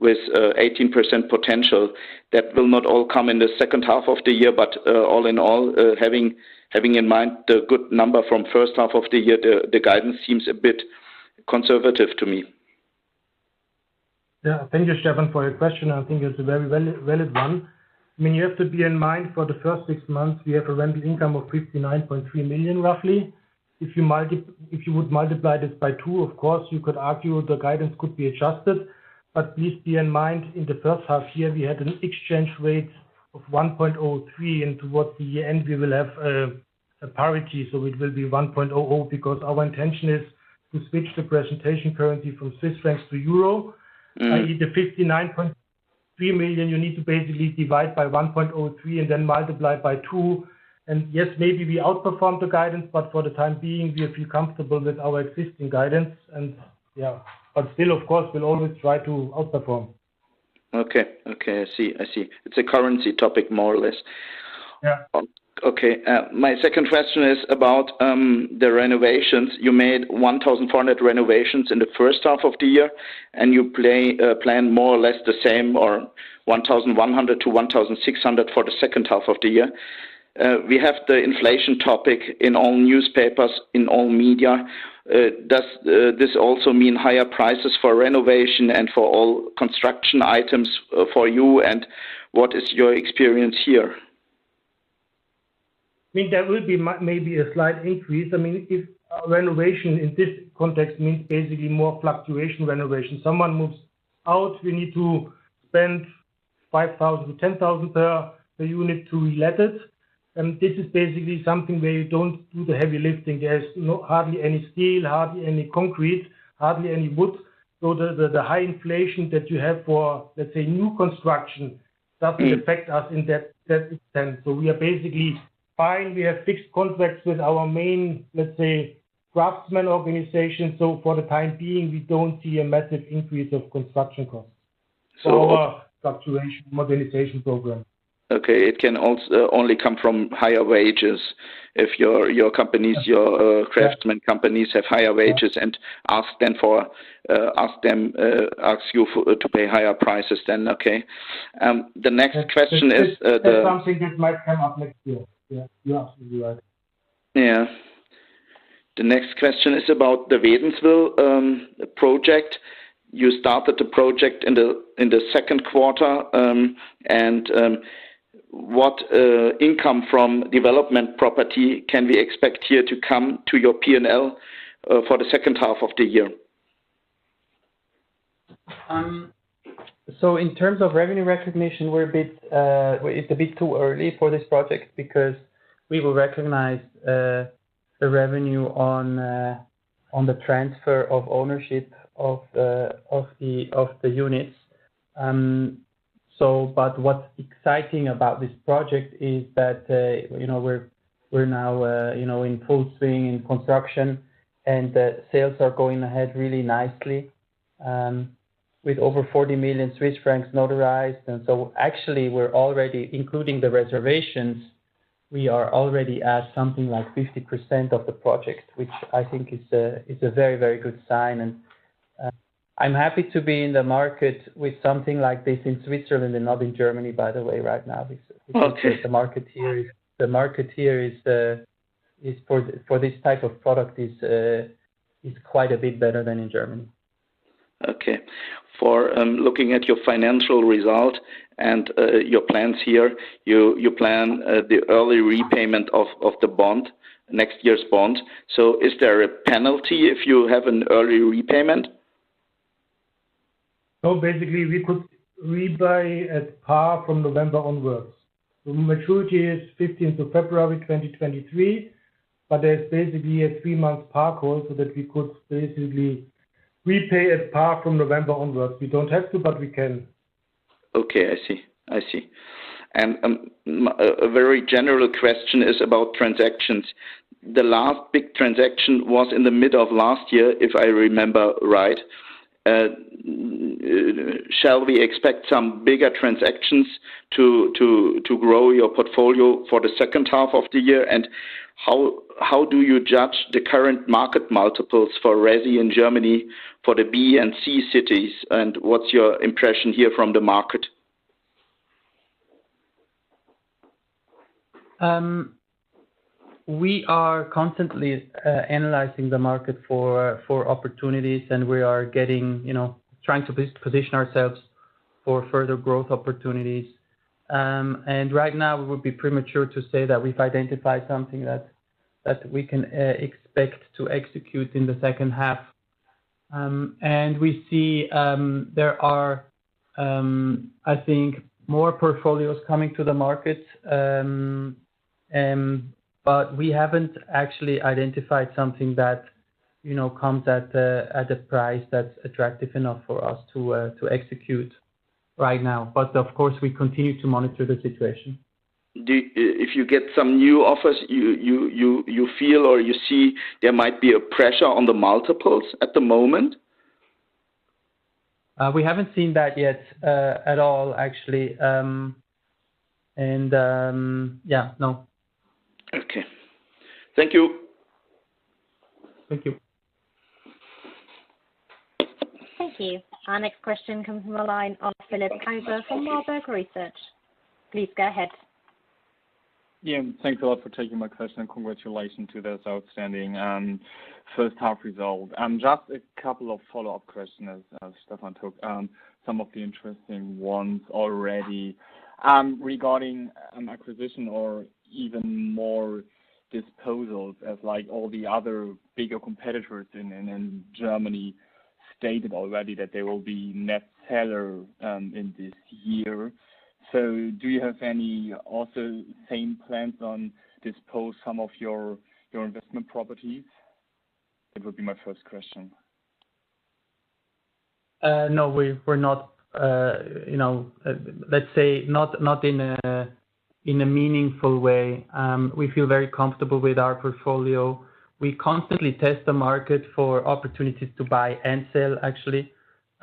with 18% potential. That will not all come in the second half of the year, but all in all, having in mind the good number from first half of the year, the guidance seems a bit conservative to me.
Yeah. Thank you, Stefan, for your question. I think it's a very valid one. I mean, you have to bear in mind for the first six months, we have a rental income of 59.3 million, roughly. If you would multiply this by 2, of course, you could argue the guidance could be adjusted. But please bear in mind, in the first half year, we had an exchange rate of 1.03, and towards the end we will have a parity. So it will be 1.00. Because our intention is to switch the presentation currently from Swiss francs to euro.
Mm.
I need the 59.3 million, you need to basically divide by 1.03 and then multiply by two. Yes, maybe we outperformed the guidance, but for the time being we feel comfortable with our existing guidance. Yeah. Still, of course, we'll always try to outperform.
Okay, I see. It's a currency topic more or less.
Yeah.
Okay. My second question is about the renovations. You made 1,400 renovations in the first half of the year, and you plan more or less the same or 1,100 to 1,600 for the second half of the year. We have the inflation topic in all newspapers, in all media. Does this also mean higher prices for renovation and for all construction items for you, and what is your experience here?
I mean, there will be maybe a slight increase. I mean, if renovation in this context means basically more fluctuation renovation. Someone moves out, we need to spend 5,000, 10,000 per unit to relet it. This is basically something where you don't do the heavy lifting. There's, you know, hardly any steel, hardly any concrete, hardly any wood. The high inflation that you have for, let's say, new construction doesn't affect us in that sense. We are basically fine. We have fixed contracts with our main, let's say, craftsmen organization. For the time being, we don't see a massive increase of construction costs.
So-
Fluctuation modernization program.
Okay. It can only come from higher wages. If your craftsmen companies have higher wages and ask you to pay higher prices, then okay. The next question is.
That's something that might come up next year. Yeah.
You absolutely right.
The next question is about the Wädenswil project. You started the project in the second quarter, and what income from development property can we expect here to come to your P&L for the second half of the year?
In terms of revenue recognition, it's a bit too early for this project because we will recognize the revenue on the transfer of ownership of the units. What's exciting about this project is that, you know, we're now, you know, in full swing in construction, and the sales are going ahead really nicely, with over 40 million Swiss francs notarized. Actually we're already including the reservations. We are already at something like 50% of the project, which I think is a very, very good sign. I'm happy to be in the market with something like this in Switzerland and not in Germany, by the way, right now because
Okay.
The market here for this type of product is quite a bit better than in Germany.
Okay. For looking at your financial result and your plans here, you plan the early repayment of the bond, next year's bond. Is there a penalty if you have an early repayment?
No, basically, we could rebuy at par from November onwards. The maturity is 15th of February 2023, but there's basically a 3-month par call so that we could basically repay at par from November onwards. We don't have to, but we can.
Okay, I see. A very general question is about transactions. The last big transaction was in the midst of last year, if I remember right. Shall we expect some bigger transactions to grow your portfolio for the second half of the year? How do you judge the current market multiples for resi in Germany for the B and C cities, and what's your impression here from the market?
We are constantly analyzing the market for opportunities, and we are getting, you know, trying to position ourselves for further growth opportunities. Right now, it would be premature to say that we've identified something that we can expect to execute in the second half. We see there are, I think, more portfolios coming to the market. We haven't actually identified something that, you know, comes at a price that's attractive enough for us to execute right now. Of course, we continue to monitor the situation.
If you get some new offers, you feel or you see there might be a pressure on the multiples at the moment?
We haven't seen that yet at all, actually. Yeah, no.
Okay. Thank you.
Thank you.
Thank you. Our next question comes from a line of Philipp Häßler from Warburg Research. Please go ahead.
Yeah, thanks a lot for taking my question, and congratulations to this outstanding first half result. Just a couple of follow-up questions as Stefan took some of the interesting ones already. Regarding an acquisition or even more disposals as like all the other bigger competitors in Germany stated already that they will be net seller in this year. Do you have any also same plans on dispose some of your investment properties? That would be my first question.
No, we're not, you know, let's say not in a meaningful way. We feel very comfortable with our portfolio. We constantly test the market for opportunities to buy and sell, actually.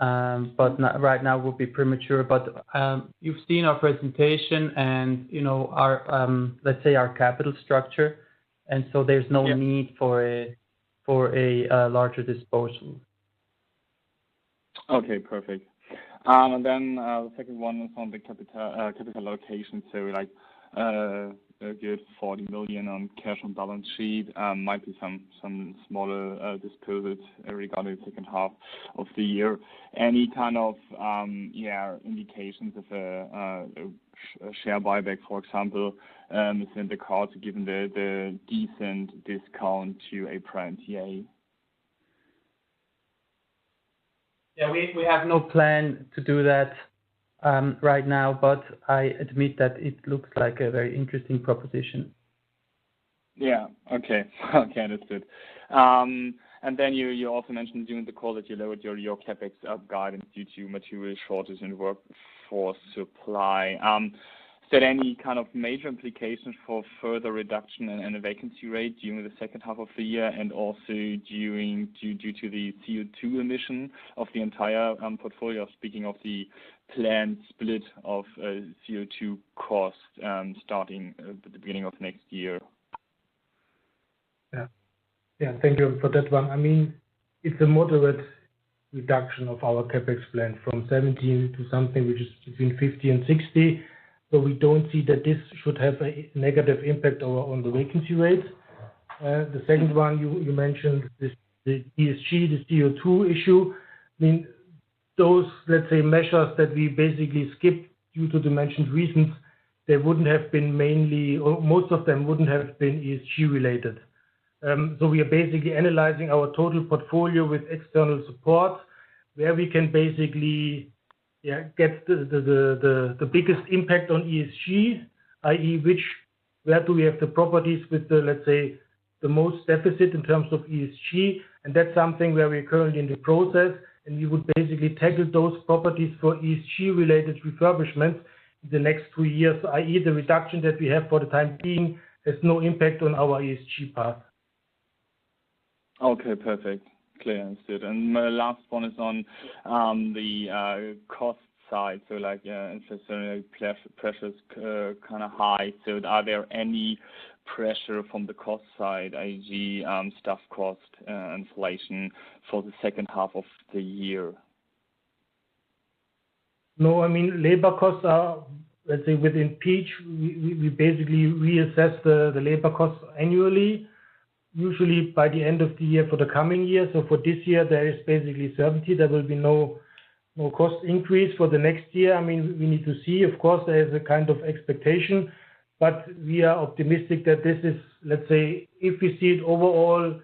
Right now would be premature. You've seen our presentation and, you know, our, let's say our capital structure. There's no need.
Yes.
for a larger disposition.
Okay, perfect. The second one was on the capital allocation. Like, a good 40 million cash on balance sheet, might be some smaller disposals regarding second half of the year. Any kind of, yeah, indications of a share buyback, for example, is in the cards given the decent discount to NAV?
Yeah. We have no plan to do that right now, but I admit that it looks like a very interesting proposition.
Yeah. Okay. Okay, that's good. You also mentioned during the call that you lowered your CapEx guidance due to material shortages and workforce supply. Is there any kind of major implications for further reduction in the vacancy rate during the second half of the year and also due to the CO2 emission of the entire portfolio, speaking of the planned split of CO2 cost starting at the beginning of next year?
Yeah. Yeah. Thank you for that one. I mean, it's a model. The reduction of our CapEx plan from 17 to something which is between 50 and 60. We don't see that this should have a negative impact on the vacancy rates. The second one you mentioned, the ESG, the CO₂ issue. I mean, those, let's say, measures that we basically skipped due to dimensions reasons, they wouldn't have been mainly or most of them wouldn't have been ESG related. We are basically analyzing our total portfolio with external support where we can basically, yeah, get the biggest impact on ESG, i.e., where do we have the properties with the, let's say, the most deficit in terms of ESG, and that's something where we're currently in the process, and we would basically tackle those properties for ESG-related refurbishments in the next two years, i.e., the reduction that we have for the time being has no impact on our ESG path.
Okay, perfect. Clearly answered. My last one is on the cost side. Like, yeah, infrastructure pressure is kind of high. Are there any pressure from the cost side, i.e., staff cost, inflation for the second half of the year?
No, I mean, labor costs are, let's say within Peach, we basically reassess the labor costs annually, usually by the end of the year for the coming year. For this year, there is basically certainty there will be no cost increase for the next year. I mean, we need to see. Of course, there is a kind of expectation, but we are optimistic that this is, let's say, if we see it overall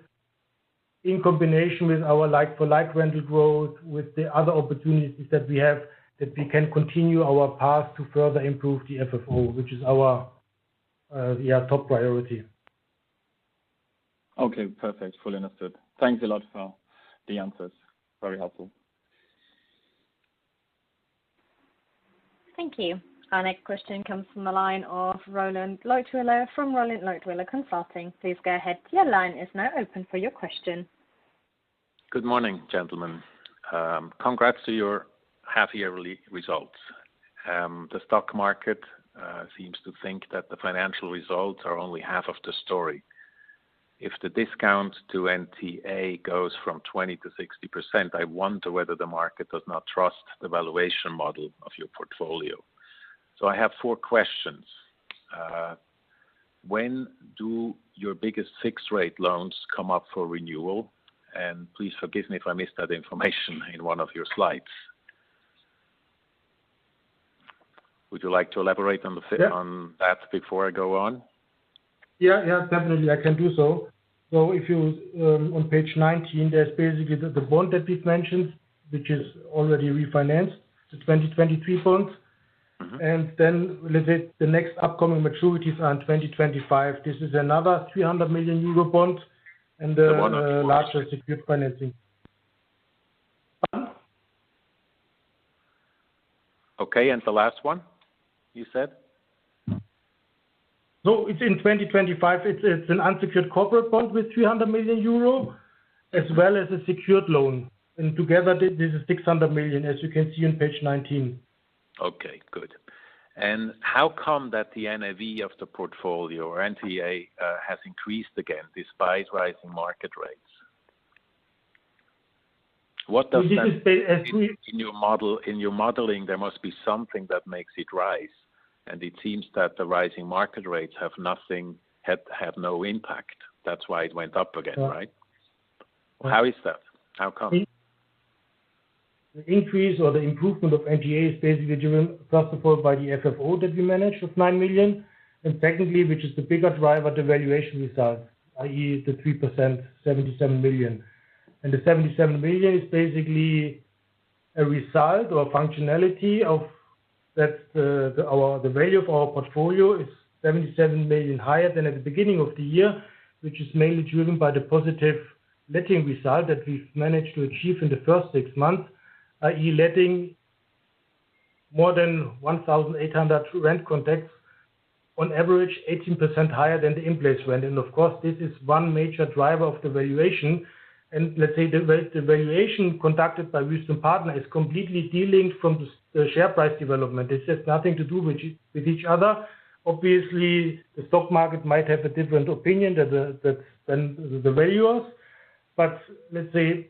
in combination with our like for like rental growth, with the other opportunities that we have, that we can continue our path to further improve the FFO, which is our top priority.
Okay, perfect. Fully understood. Thanks a lot for the answers. Very helpful.
Thank you. Our next question comes from the line of Roland Leutwiler from Roland Leutwiler Consulting. Please go ahead. Your line is now open for your question.
Good morning, gentlemen. Congrats to your half yearly results. The stock market seems to think that the financial results are only half of the story. If the discount to NTA goes from 20%-60%, I wonder whether the market does not trust the valuation model of your portfolio. I have four questions. When do your biggest fixed rate loans come up for renewal? Please forgive me if I missed that information in one of your slides. Would you like to elaborate on the f-
Yeah.
On that before I go on?
Yeah, yeah. Definitely, I can do so. If you on page 19, there's basically the bond that we've mentioned, which is already refinanced, the 2023 bonds.
Mm-hmm.
Let's say, the next upcoming maturities are in 2025. This is another 300 million euro bond and the larger secured financing.
Okay. The last one you said?
It's in 2025. It's an unsecured corporate bond with 300 million euro as well as a secured loan. Together, this is 600 million, as you can see on page 19.
Okay, good. How come that the NAV of the portfolio or NTA has increased again despite rising market rates? What does that-
This is, uh, as we-
In your modeling, there must be something that makes it rise, and it seems that the rising market rates had no impact. That's why it went up again, right?
Well.
How is that? How come?
The increase or the improvement of NTA is basically driven, first of all, by the FFO that we managed with 9 million. Secondly, which is the bigger driver, the valuation results, i.e., the 3% 77 million. The 77 million is basically a result or functionality of that, the value of our portfolio is 77 million higher than at the beginning of the year, which is mainly driven by the positive letting result that we've managed to achieve in the first six months. I.e., letting more than 1,800 rent contracts on average 18% higher than the in-place rent. Of course, this is one major driver of the valuation. Let's say the valuation conducted by Wüest Partner is completely delinked from the share price development. It has nothing to do with each other. Obviously, the stock market might have a different opinion than the valuers. Let's say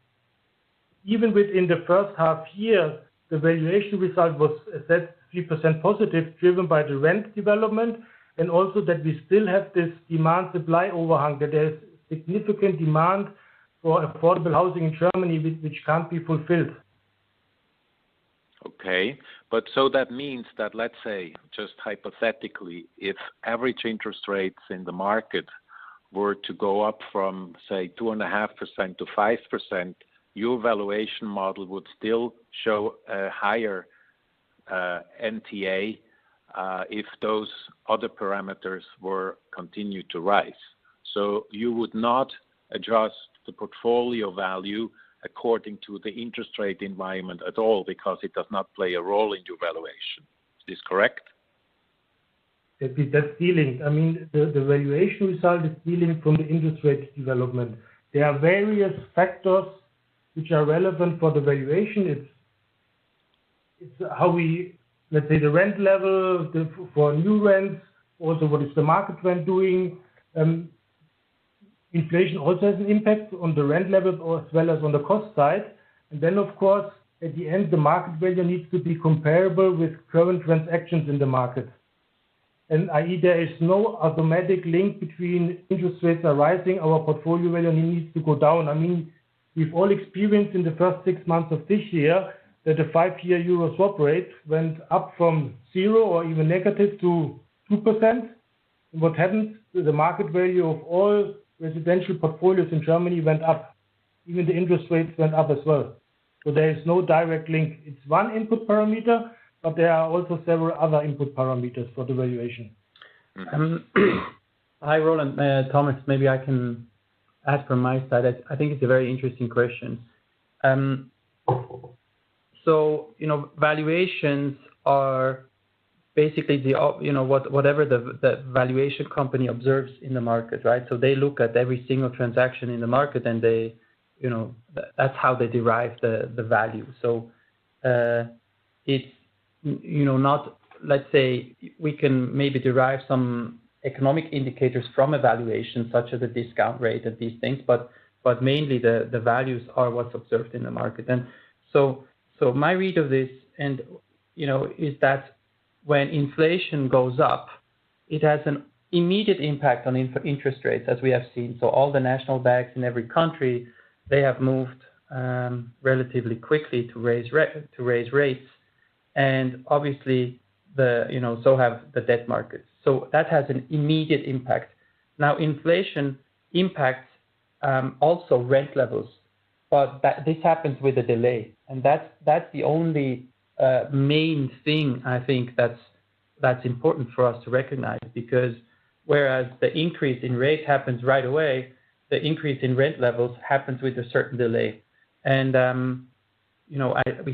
even within the first half year, the valuation result was, as said, 3% positive, driven by the rent development, and also that we still have this demand-supply overhang, that there's significant demand for affordable housing in Germany which can't be fulfilled.
Okay. That means that, let's say, just hypothetically, if average interest rates in the market were to go up from, say, 2.5%-5%, your valuation model would still show a higher NTA if those other parameters were to continue to rise. You would not adjust the portfolio value according to the interest rate environment at all because it does not play a role in your valuation. Is this correct?
It is delinked. I mean, the valuation result is delinked from the interest rate development. There are various factors which are relevant for the valuation. Let's say the rent level for new rents, also what is the market rent doing. Inflation also has an impact on the rent level as well as on the cost side. Then, of course, at the end, the market value needs to be comparable with current transactions in the market. i.e., there is no automatic link between interest rates are rising, our portfolio value needs to go down. I mean, we've all experienced in the first six months of this year that the five-year Euro swap rate went up from 0% or even negative to 2%. What happened to the market value of all residential portfolios in Germany went up, even the interest rates went up as well. There is no direct link. It's one input parameter, but there are also several other input parameters for the valuation.
Hi, Roland, Thomas. Maybe I can add from my side. I think it's a very interesting question. You know, valuations are basically the whatever the valuation company observes in the market, right? They look at every single transaction in the market, and they you know that's how they derive the value. It's you know not, let's say, we can maybe derive some economic indicators from a valuation such as a discount rate of these things, but mainly the values are what's observed in the market. My read of this and you know is that when inflation goes up, it has an immediate impact on interest rates, as we have seen. All the national banks in every country, they have moved relatively quickly to raise rates. Obviously, so have the debt markets. That has an immediate impact. Now, inflation impacts also rent levels. This happens with a delay. That's the only main thing I think that's important for us to recognize. Because whereas the increase in rates happens right away, the increase in rent levels happens with a certain delay. We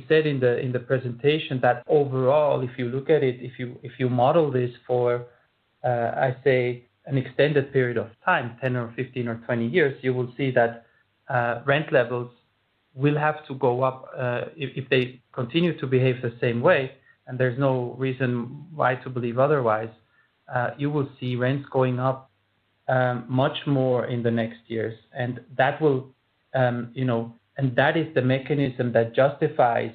said in the presentation that overall, if you look at it, if you model this for, I say an extended period of time, 10 or 15 or 20 years, you will see that, rent levels will have to go up, if they continue to behave the same way, and there's no reason why to believe otherwise, you will see rents going up, much more in the next years. That is the mechanism that justifies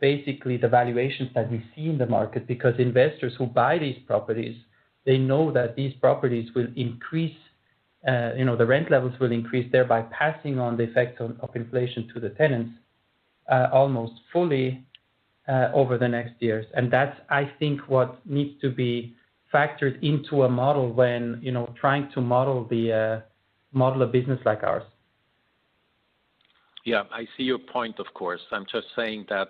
basically the valuations that we see in the market. Because investors who buy these properties know that these properties will increase, you know, the rent levels will increase, thereby passing on the effect of inflation to the tenants almost fully over the next years. That's, I think, what needs to be factored into a model when, you know, trying to model a business like ours.
Yeah. I see your point, of course. I'm just saying that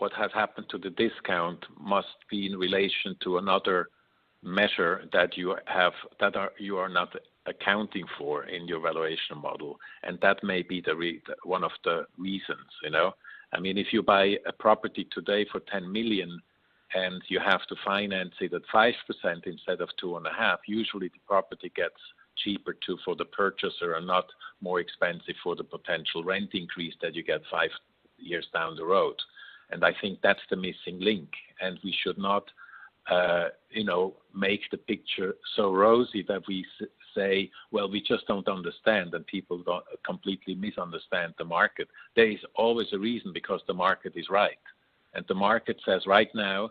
what has happened to the discount must be in relation to another measure that you have, that you are not accounting for in your valuation model. That may be one of the reasons, you know. I mean, if you buy a property today for 10 million and you have to finance it at 5% instead of 2.5%, usually the property gets cheaper too for the purchaser and not more expensive for the potential rent increase that you get five years down the road. I think that's the missing link. We should not, you know, make the picture so rosy that we say, "Well, we just don't understand, and people completely misunderstand the market." There is always a reason because the market is right. The market says right now,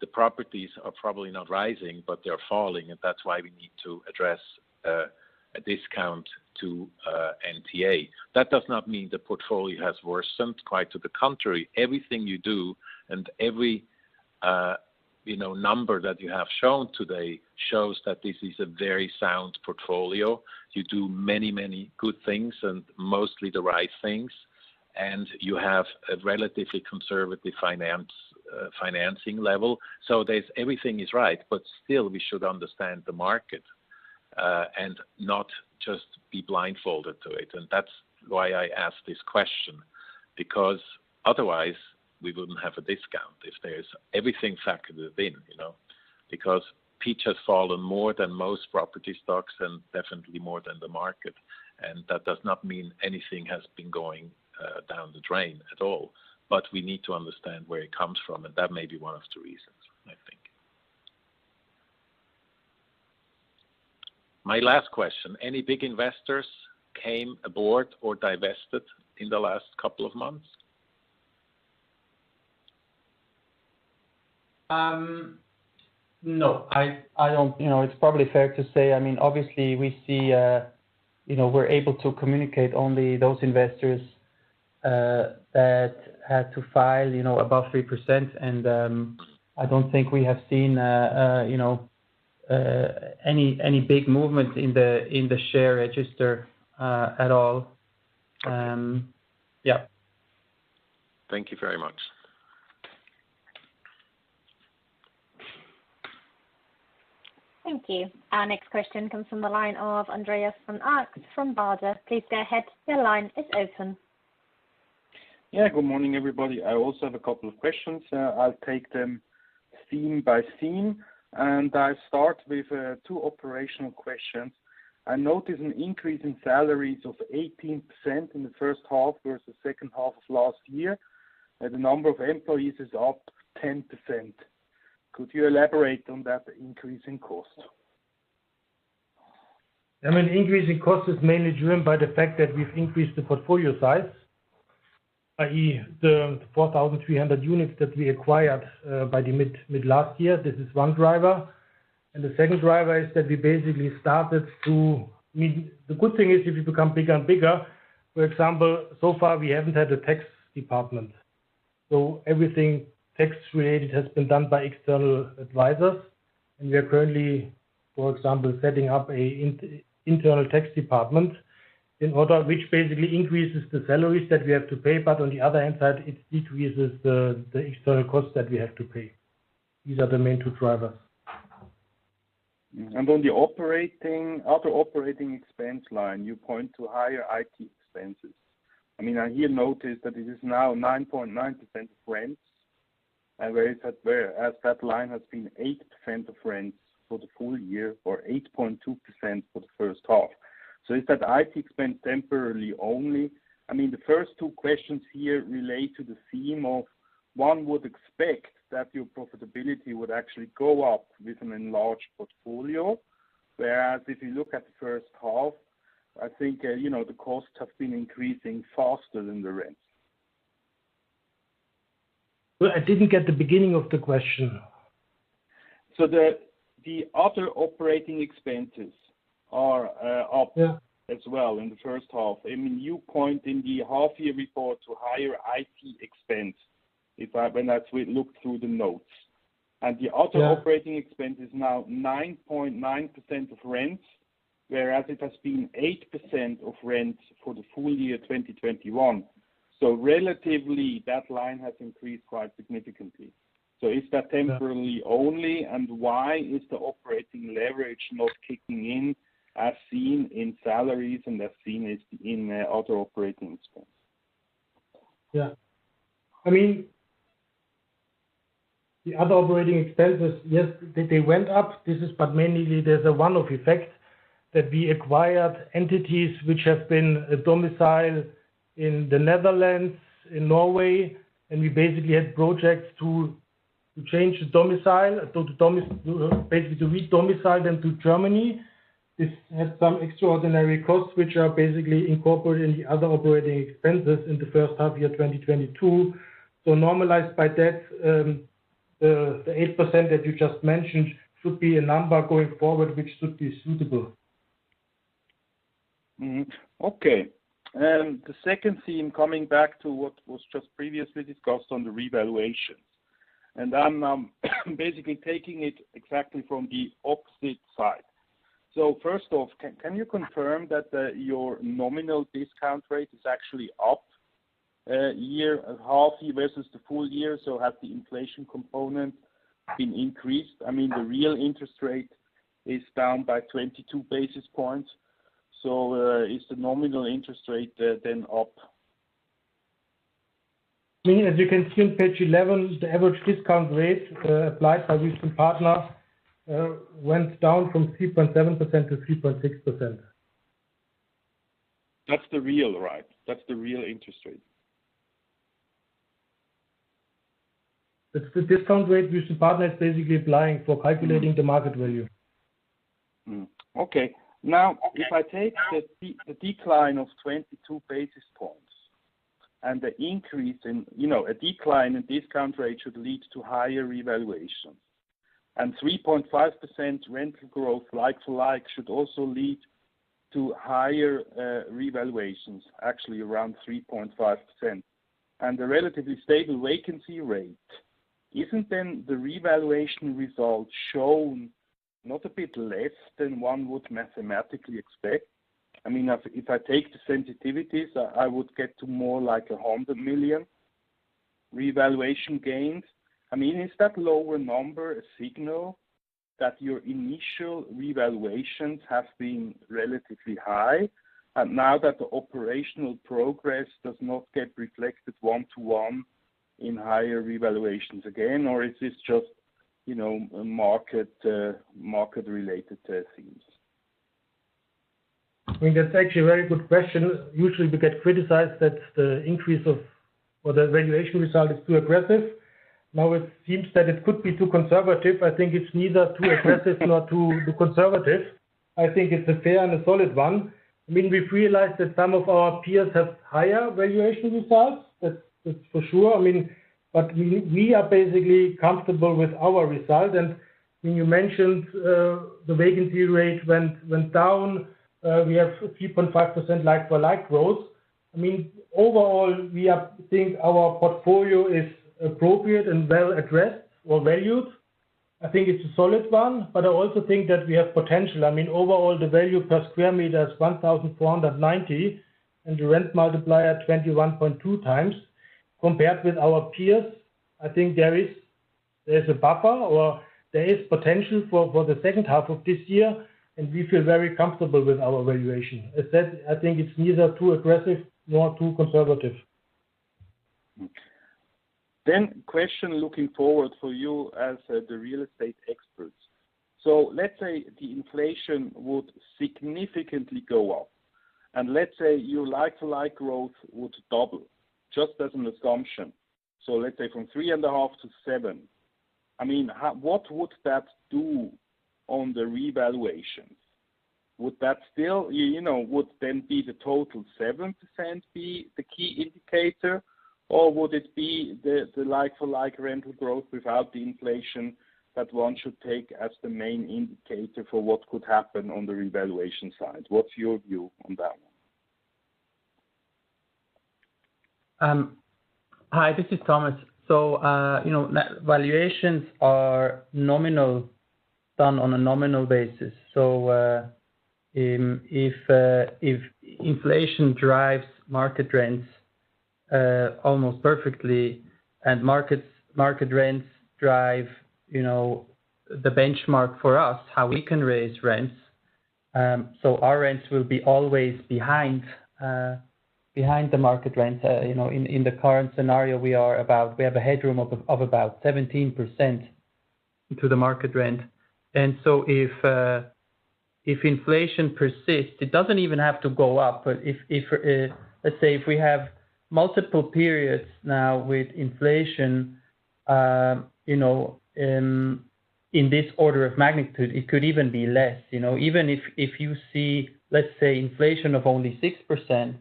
the properties are probably not rising, but they're falling, and that's why we need to address a discount to NTA. That does not mean the portfolio has worsened. Quite to the contrary. Everything you do and every, you know, number that you have shown today shows that this is a very sound portfolio. You do many, many good things and mostly the right things. You have a relatively conservative financing level. So everything is right, but still, we should understand the market and not just be blindfolded to it. That's why I asked this question, because otherwise we wouldn't have a discount if there's everything factored in, you know. Because Peach has fallen more than most property stocks and definitely more than the market. That does not mean anything has been going down the drain at all. We need to understand where it comes from, and that may be one of the reasons, I think. My last question. Any big investors came aboard or divested in the last couple of months?
No. I don't. You know, it's probably fair to say, I mean, obviously, we see, you know, we're able to communicate only those investors that had to file, you know, above 3%. I don't think we have seen, you know, any big movement in the share register at all. Yeah.
Thank you very much.
Thank you. Our next question comes from the line of Andreas von Arx from Baader Helvea. Please go ahead. Your line is open.
Yeah. Good morning, everybody. I also have a couple of questions. I'll take them, theme by theme. I'll start with two operational questions. I noticed an increase in salaries of 18% in the first half versus second half of last year, and the number of employees is up 10%. Could you elaborate on that increase in cost?
I mean, increase in cost is mainly driven by the fact that we've increased the portfolio size, i.e., the 4,300 units that we acquired by the mid last year. This is one driver. The second driver is that we basically I mean, the good thing is if you become bigger and bigger, for example, so far, we haven't had a tax department. Everything tax related has been done by external advisors. We are currently, for example, setting up an internal tax department in order, which basically increases the salaries that we have to pay, but on the other hand side, it decreases the external costs that we have to pay. These are the main two drivers.
On the operating, other operating expense line, you point to higher IT expenses. I mean, I here noticed that it is now 9.9% of rents. Whereas as that line has been 8% of rents for the full year or 8.2% for the first half. Is that IT expense temporarily only? I mean, the first two questions here relate to the theme of one would expect that your profitability would actually go up with an enlarged portfolio. Whereas if you look at the first half, I think, you know, the costs have been increasing faster than the rents.
Well, I didn't get the beginning of the question.
The other operating expenses are up.
Yeah.
As well in the first half. I mean, you point in the half-year report to higher IT expense, when I look through the notes.
Yeah.
The other operating expense is now 9.9% of rent, whereas it has been 8% of rent for the full year 2021. Relatively, that line has increased quite significantly. Is that temporarily only, and why is the operating leverage not kicking in as seen in salaries and as seen in other operating expense?
Yeah. I mean, the other operating expenses, yes, they went up. Mainly, there's a one-off effect that we acquired entities which have been domiciled in the Netherlands, in Norway, and we basically had projects to change the domicile, so basically, to redomicile them to Germany. This had some extraordinary costs, which are basically incorporated in the other operating expenses in the first half year, 2022. Normalized by that, the 8% that you just mentioned should be a number going forward, which should be suitable.
The second theme, coming back to what was just previously discussed on the revaluations. I'm basically taking it exactly from the opposite side. First off, can you confirm that your nominal discount rate is actually up half year versus the full year? Has the inflation component been increased? I mean, the real interest rate is down by 22 basis points. Is the nominal interest rate then up?
Meaning, as you can see on page 11, the average discount rate applied by Wüest Partner went down from 3.7%-3.6%.
That's the real, right? That's the real interest rate.
That's the discount rate Wüest Partner basically applying for calculating the market value.
Okay. Now, if I take the decline of 22 basis points and the increase in... You know, a decline in discount rate should lead to higher revaluation. 3.5% rental growth like to like should also lead to higher revaluations, actually around 3.5%. The relatively stable vacancy rate, isn't then the revaluation results shown not a bit less than one would mathematically expect? I mean, if I take the sensitivities, I would get to more like 100 million revaluation gains. I mean, is that lower number a signal that your initial revaluations have been relatively high, and now that the operational progress does not get reflected one to one in higher revaluations again, or is this just, you know, a market-related things?
I mean, that's actually a very good question. Usually, we get criticized that the increase or the valuation result is too aggressive. Now, it seems that it could be too conservative. I think it's neither too aggressive nor too conservative. I think it's a fair and a solid one. I mean, we've realized that some of our peers have higher valuation results. That's for sure. I mean, but we are basically comfortable with our result. When you mentioned the vacancy rate went down, we have 3.5% like-for-like growth. I mean, overall, we think our portfolio is appropriate and well assessed or valued. I think it's a solid one, but I also think that we have potential. I mean, overall, the value per sq m is 1,490, and the rent multiplier, 21.2x. Compared with our peers, I think there is a buffer, or there is potential for the second half of this year, and we feel very comfortable with our valuation. As said, I think it's neither too aggressive nor too conservative.
Question looking forward for you as the real estate experts. Let's say the inflation would significantly go up, and let's say your like-for-like growth would double, just as an assumption. Let's say from 3.5%-7%. I mean, what would that do on the revaluations? Would that still, you know, would then be the total 7% be the key indicator? Or would it be the like-for-like rental growth without the inflation that one should take as the main indicator for what could happen on the revaluation side? What's your view on that one?
Hi, this is Thomas. You know, valuations are nominal, done on a nominal basis. If inflation drives market rents almost perfectly, and market rents drive you know, the benchmark for us, how we can raise rents, so our rents will be always behind the market rents. You know, in the current scenario, we have a headroom of about 17% to the market rent. If inflation persists, it doesn't even have to go up. Let's say if we have multiple periods now with inflation, you know, in this order of magnitude, it could even be less, you know. Even if you see, let's say, inflation of only 6%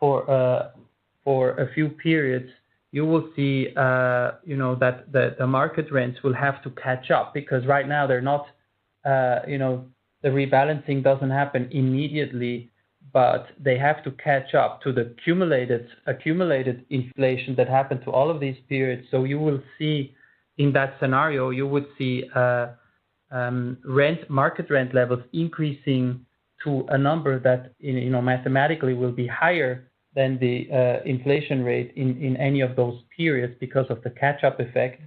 for a few periods, you will see that the market rents will have to catch up, because right now they're not, you know, the rebalancing doesn't happen immediately, but they have to catch up to the cumulated, accumulated inflation that happened to all of these periods. In that scenario, you would see market rent levels increasing to a number that, you know, mathematically will be higher than the inflation rate in any of those periods because of the catch-up effect.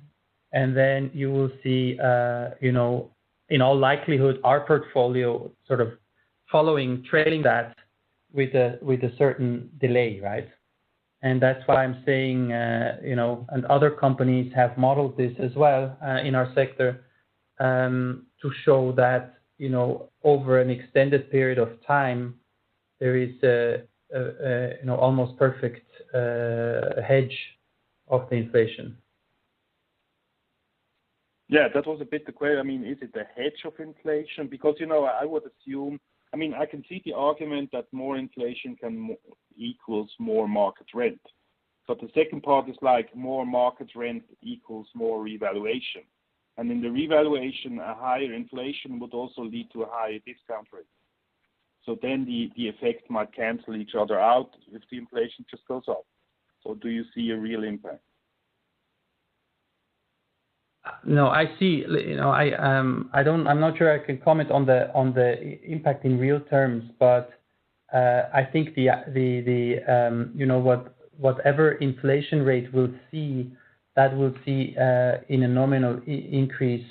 Then you will see, you know, in all likelihood, our portfolio sort of following, trailing that with a certain delay, right? That's why I'm saying, you know, other companies have modeled this as well, in our sector, to show that, you know, over an extended period of time, there is a, you know, almost perfect hedge against inflation.
Yeah. That was a bit the query. I mean, is it the hedge of inflation? Because, you know, I would assume. I mean, I can see the argument that more inflation can equals more market rent. The second part is like, more market rent equals more revaluation. In the revaluation, a higher inflation would also lead to a higher discount rate. The effect might cancel each other out if the inflation just goes up. Do you see a real impact?
No, I see. You know, I'm not sure I can comment on the impact in real terms, but I think you know what, whatever inflation rate we'll see in a nominal increase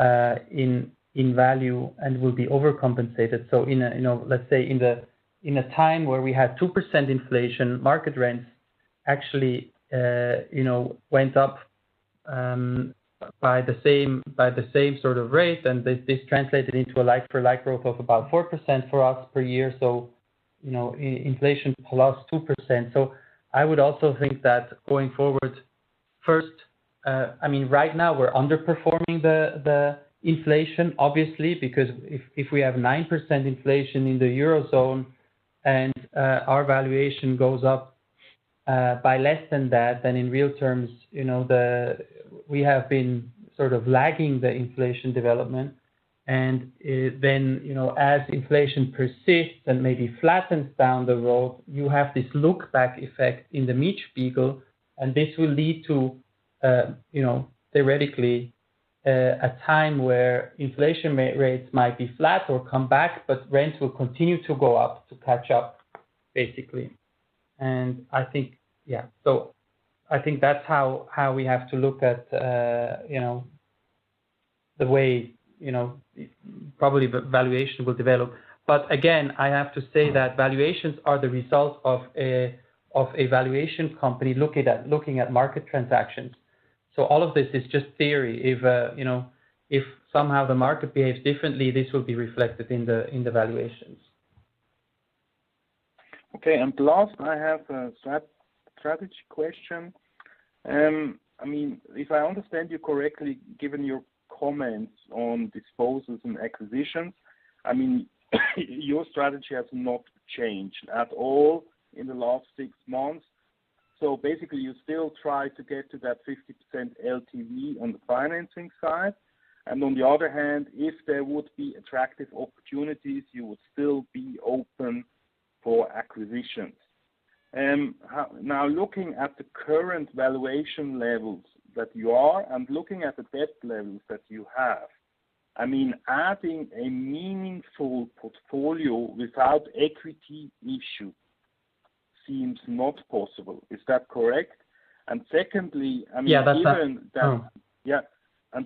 in value and will be overcompensated. Let's say in a time where we had 2% inflation, market rents actually you know went up by the same sort of rate, and this translated into a like-for-like growth of about 4% for us per year, so you know inflation plus 2%. I would also think that going forward, first, I mean, right now we're underperforming the inflation, obviously, because if we have 9% inflation in the Eurozone and our valuation goes up by less than that, then in real terms, you know, we have been sort of lagging the inflation development. You know, as inflation persists and maybe flattens down the road, you have this look-back effect in the Mietspiegel, and this will lead to, you know, theoretically, a time where inflation rates might be flat or come back, but rents will continue to go up to catch up, basically. I think, yeah. I think that's how we have to look at, you know, the way, you know, probably valuation will develop. Again, I have to say that valuations are the result of a valuation company looking at market transactions. All of this is just theory. If you know, if somehow the market behaves differently, this will be reflected in the valuations.
Okay. Last, I have a strategy question. I mean, if I understand you correctly, given your comments on disposals and acquisitions, I mean, your strategy has not changed at all in the last six months. Basically you still try to get to that 50% LTV on the financing side. On the other hand, if there would be attractive opportunities, you would still be open for acquisitions. Now, looking at the current valuation levels that you are and looking at the debt levels that you have, I mean, adding a meaningful portfolio without equity issue seems not possible. Is that correct? Secondly, I mean, given the-
Yeah, that's. Hmm.
Yeah.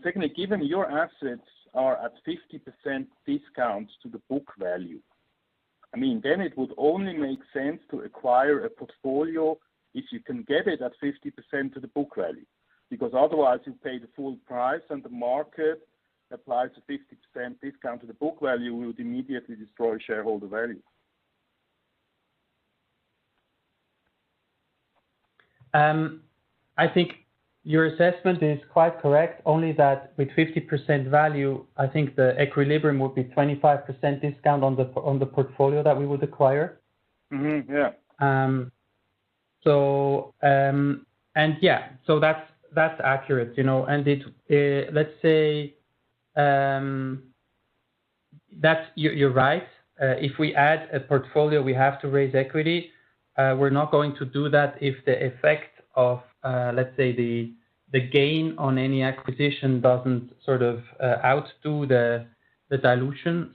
Secondly, given your assets are at 50% discount to the book value, I mean, then it would only make sense to acquire a portfolio if you can get it at 50% to the book value. Because otherwise, you pay the full price, and the market applies a 50% discount to the book value will immediately destroy shareholder value.
I think your assessment is quite correct, only that with 50% value, I think the equilibrium would be 25% discount on the portfolio that we would acquire.
Mm-hmm. Yeah.
Yeah, that's accurate, you know. Let's say that you're right. If we add a portfolio, we have to raise equity. We're not going to do that if the effect of, let's say, the gain on any acquisition doesn't sort of outdo the dilution.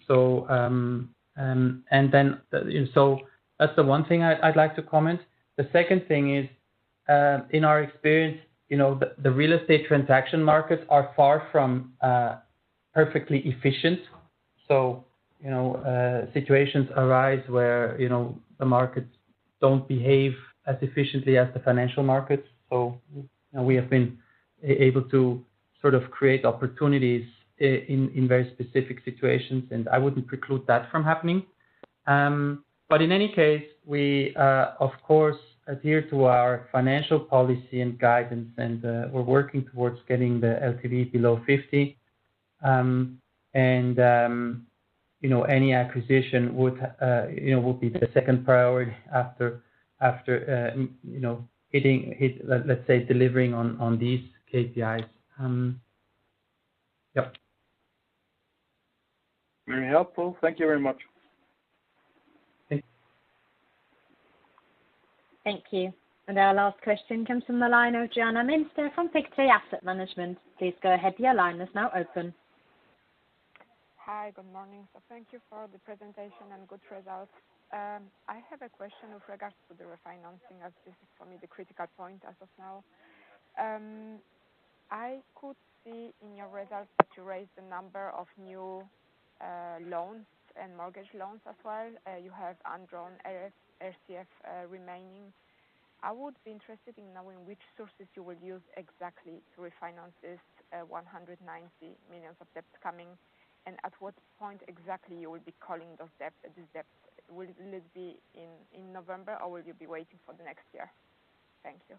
That's the one thing I'd like to comment. The second thing is, in our experience, you know, the real estate transaction markets are far from perfectly efficient. You know, situations arise where, you know, the markets don't behave as efficiently as the financial markets. You know, we have been able to sort of create opportunities in very specific situations, and I wouldn't preclude that from happening. In any case, we of course adhere to our financial policy and guidance and we're working towards getting the LTV below 50%. You know, any acquisition would be the second priority after you know delivering on these KPIs. Yep.
Very helpful. Thank you very much.
Okay.
Thank you. Our last question comes from the line of Joanna Minotor from Pictet Asset Management. Please go ahead, your line is now open.
Hi. Good morning. Thank you for the presentation and good results. I have a question with regards to the refinancing, as this is for me, the critical point as of now. I could see in your results that you raised a number of new loans and mortgage loans as well. You have undrawn RCF remaining. I would be interested in knowing which sources you will use exactly to refinance this 190 million of debt coming, and at what point exactly you will be calling the debt. Will it be in November or will you be waiting for the next year? Thank you.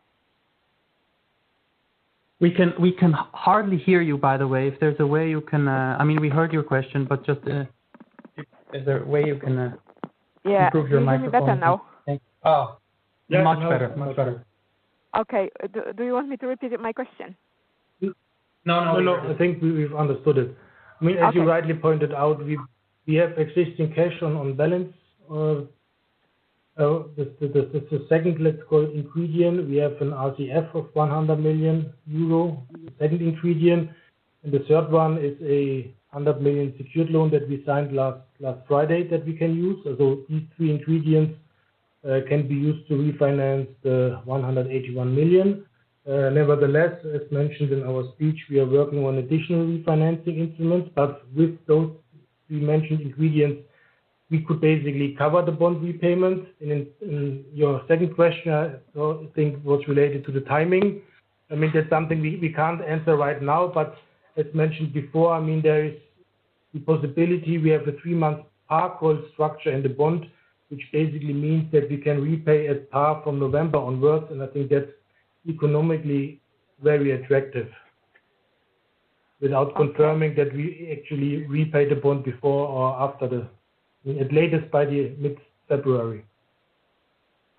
We can hardly hear you, by the way. I mean, we heard your question, but just if there's a way you can.
Yeah.
Improve your microphone.
Can you hear me better now?
Oh.
Yeah.
Much better. Much better.
Okay. Do you want me to repeat it, my question?
No, no.
No.
I think we've understood it.
Okay.
I mean, as you rightly pointed out, we have existing cash on balance. The second, let's call it ingredient, we have an RCF of 100 million euro, second ingredient. The third one is 100 million secured loan that we signed last Friday that we can use. These three ingredients can be used to refinance the 181 million. Nevertheless, as mentioned in our speech, we are working on additional refinancing instruments, but with those we mentioned ingredients, we could basically cover the bond repayments. Your second question, I think, was related to the timing. I mean, that's something we can't answer right now, but as mentioned before, I mean, there is the possibility we have the three-month par call structure in the bond, which basically means that we can repay as par from November onwards. I think that's economically very attractive. Without confirming that we actually repay the bond before or after the. At latest by the mid-February.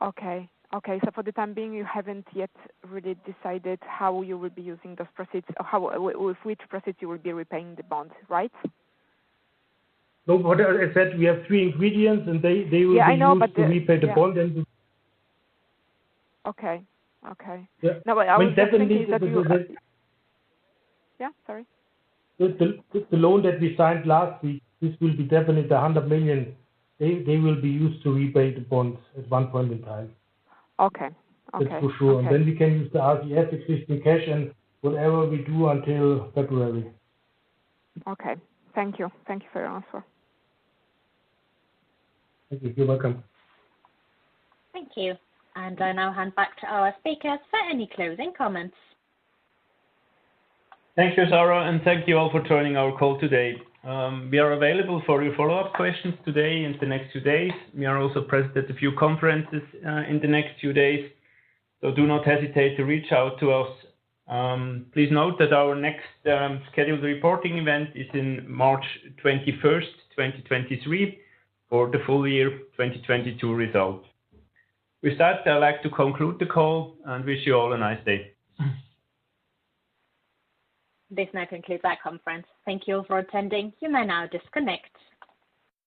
Okay. For the time being, you haven't yet really decided how you will be using those proceeds or how, with which proceeds you will be repaying the bond, right?
No. What I said, we have three ingredients, and they will be used.
Yeah, I know, but the.
To repay the bond.
Okay.
Yeah.
No, wait, I was just thinking that you.
Well, definitely.
Yeah, sorry.
The loan that we signed last week, this will be definitely 100 million. They will be used to repay the bonds at one point in time.
Okay.
That's for sure.
Okay.
We can use the RCF existing cash and whatever we do until February.
Okay. Thank you. Thank you for your answer.
Thank you. You're welcome.
Thank you. I now hand back to our speakers for any closing comments.
Thank you, Sarah, and thank you all for joining our call today. We are available for your follow-up questions today into next two days. We are also present at a few conferences, in the next few days, so do not hesitate to reach out to us. Please note that our next scheduled reporting event is in March 21, 2023 for the full year 2022 results. With that, I'd like to conclude the call and wish you all a nice day.
This now concludes our conference. Thank you for attending. You may now disconnect.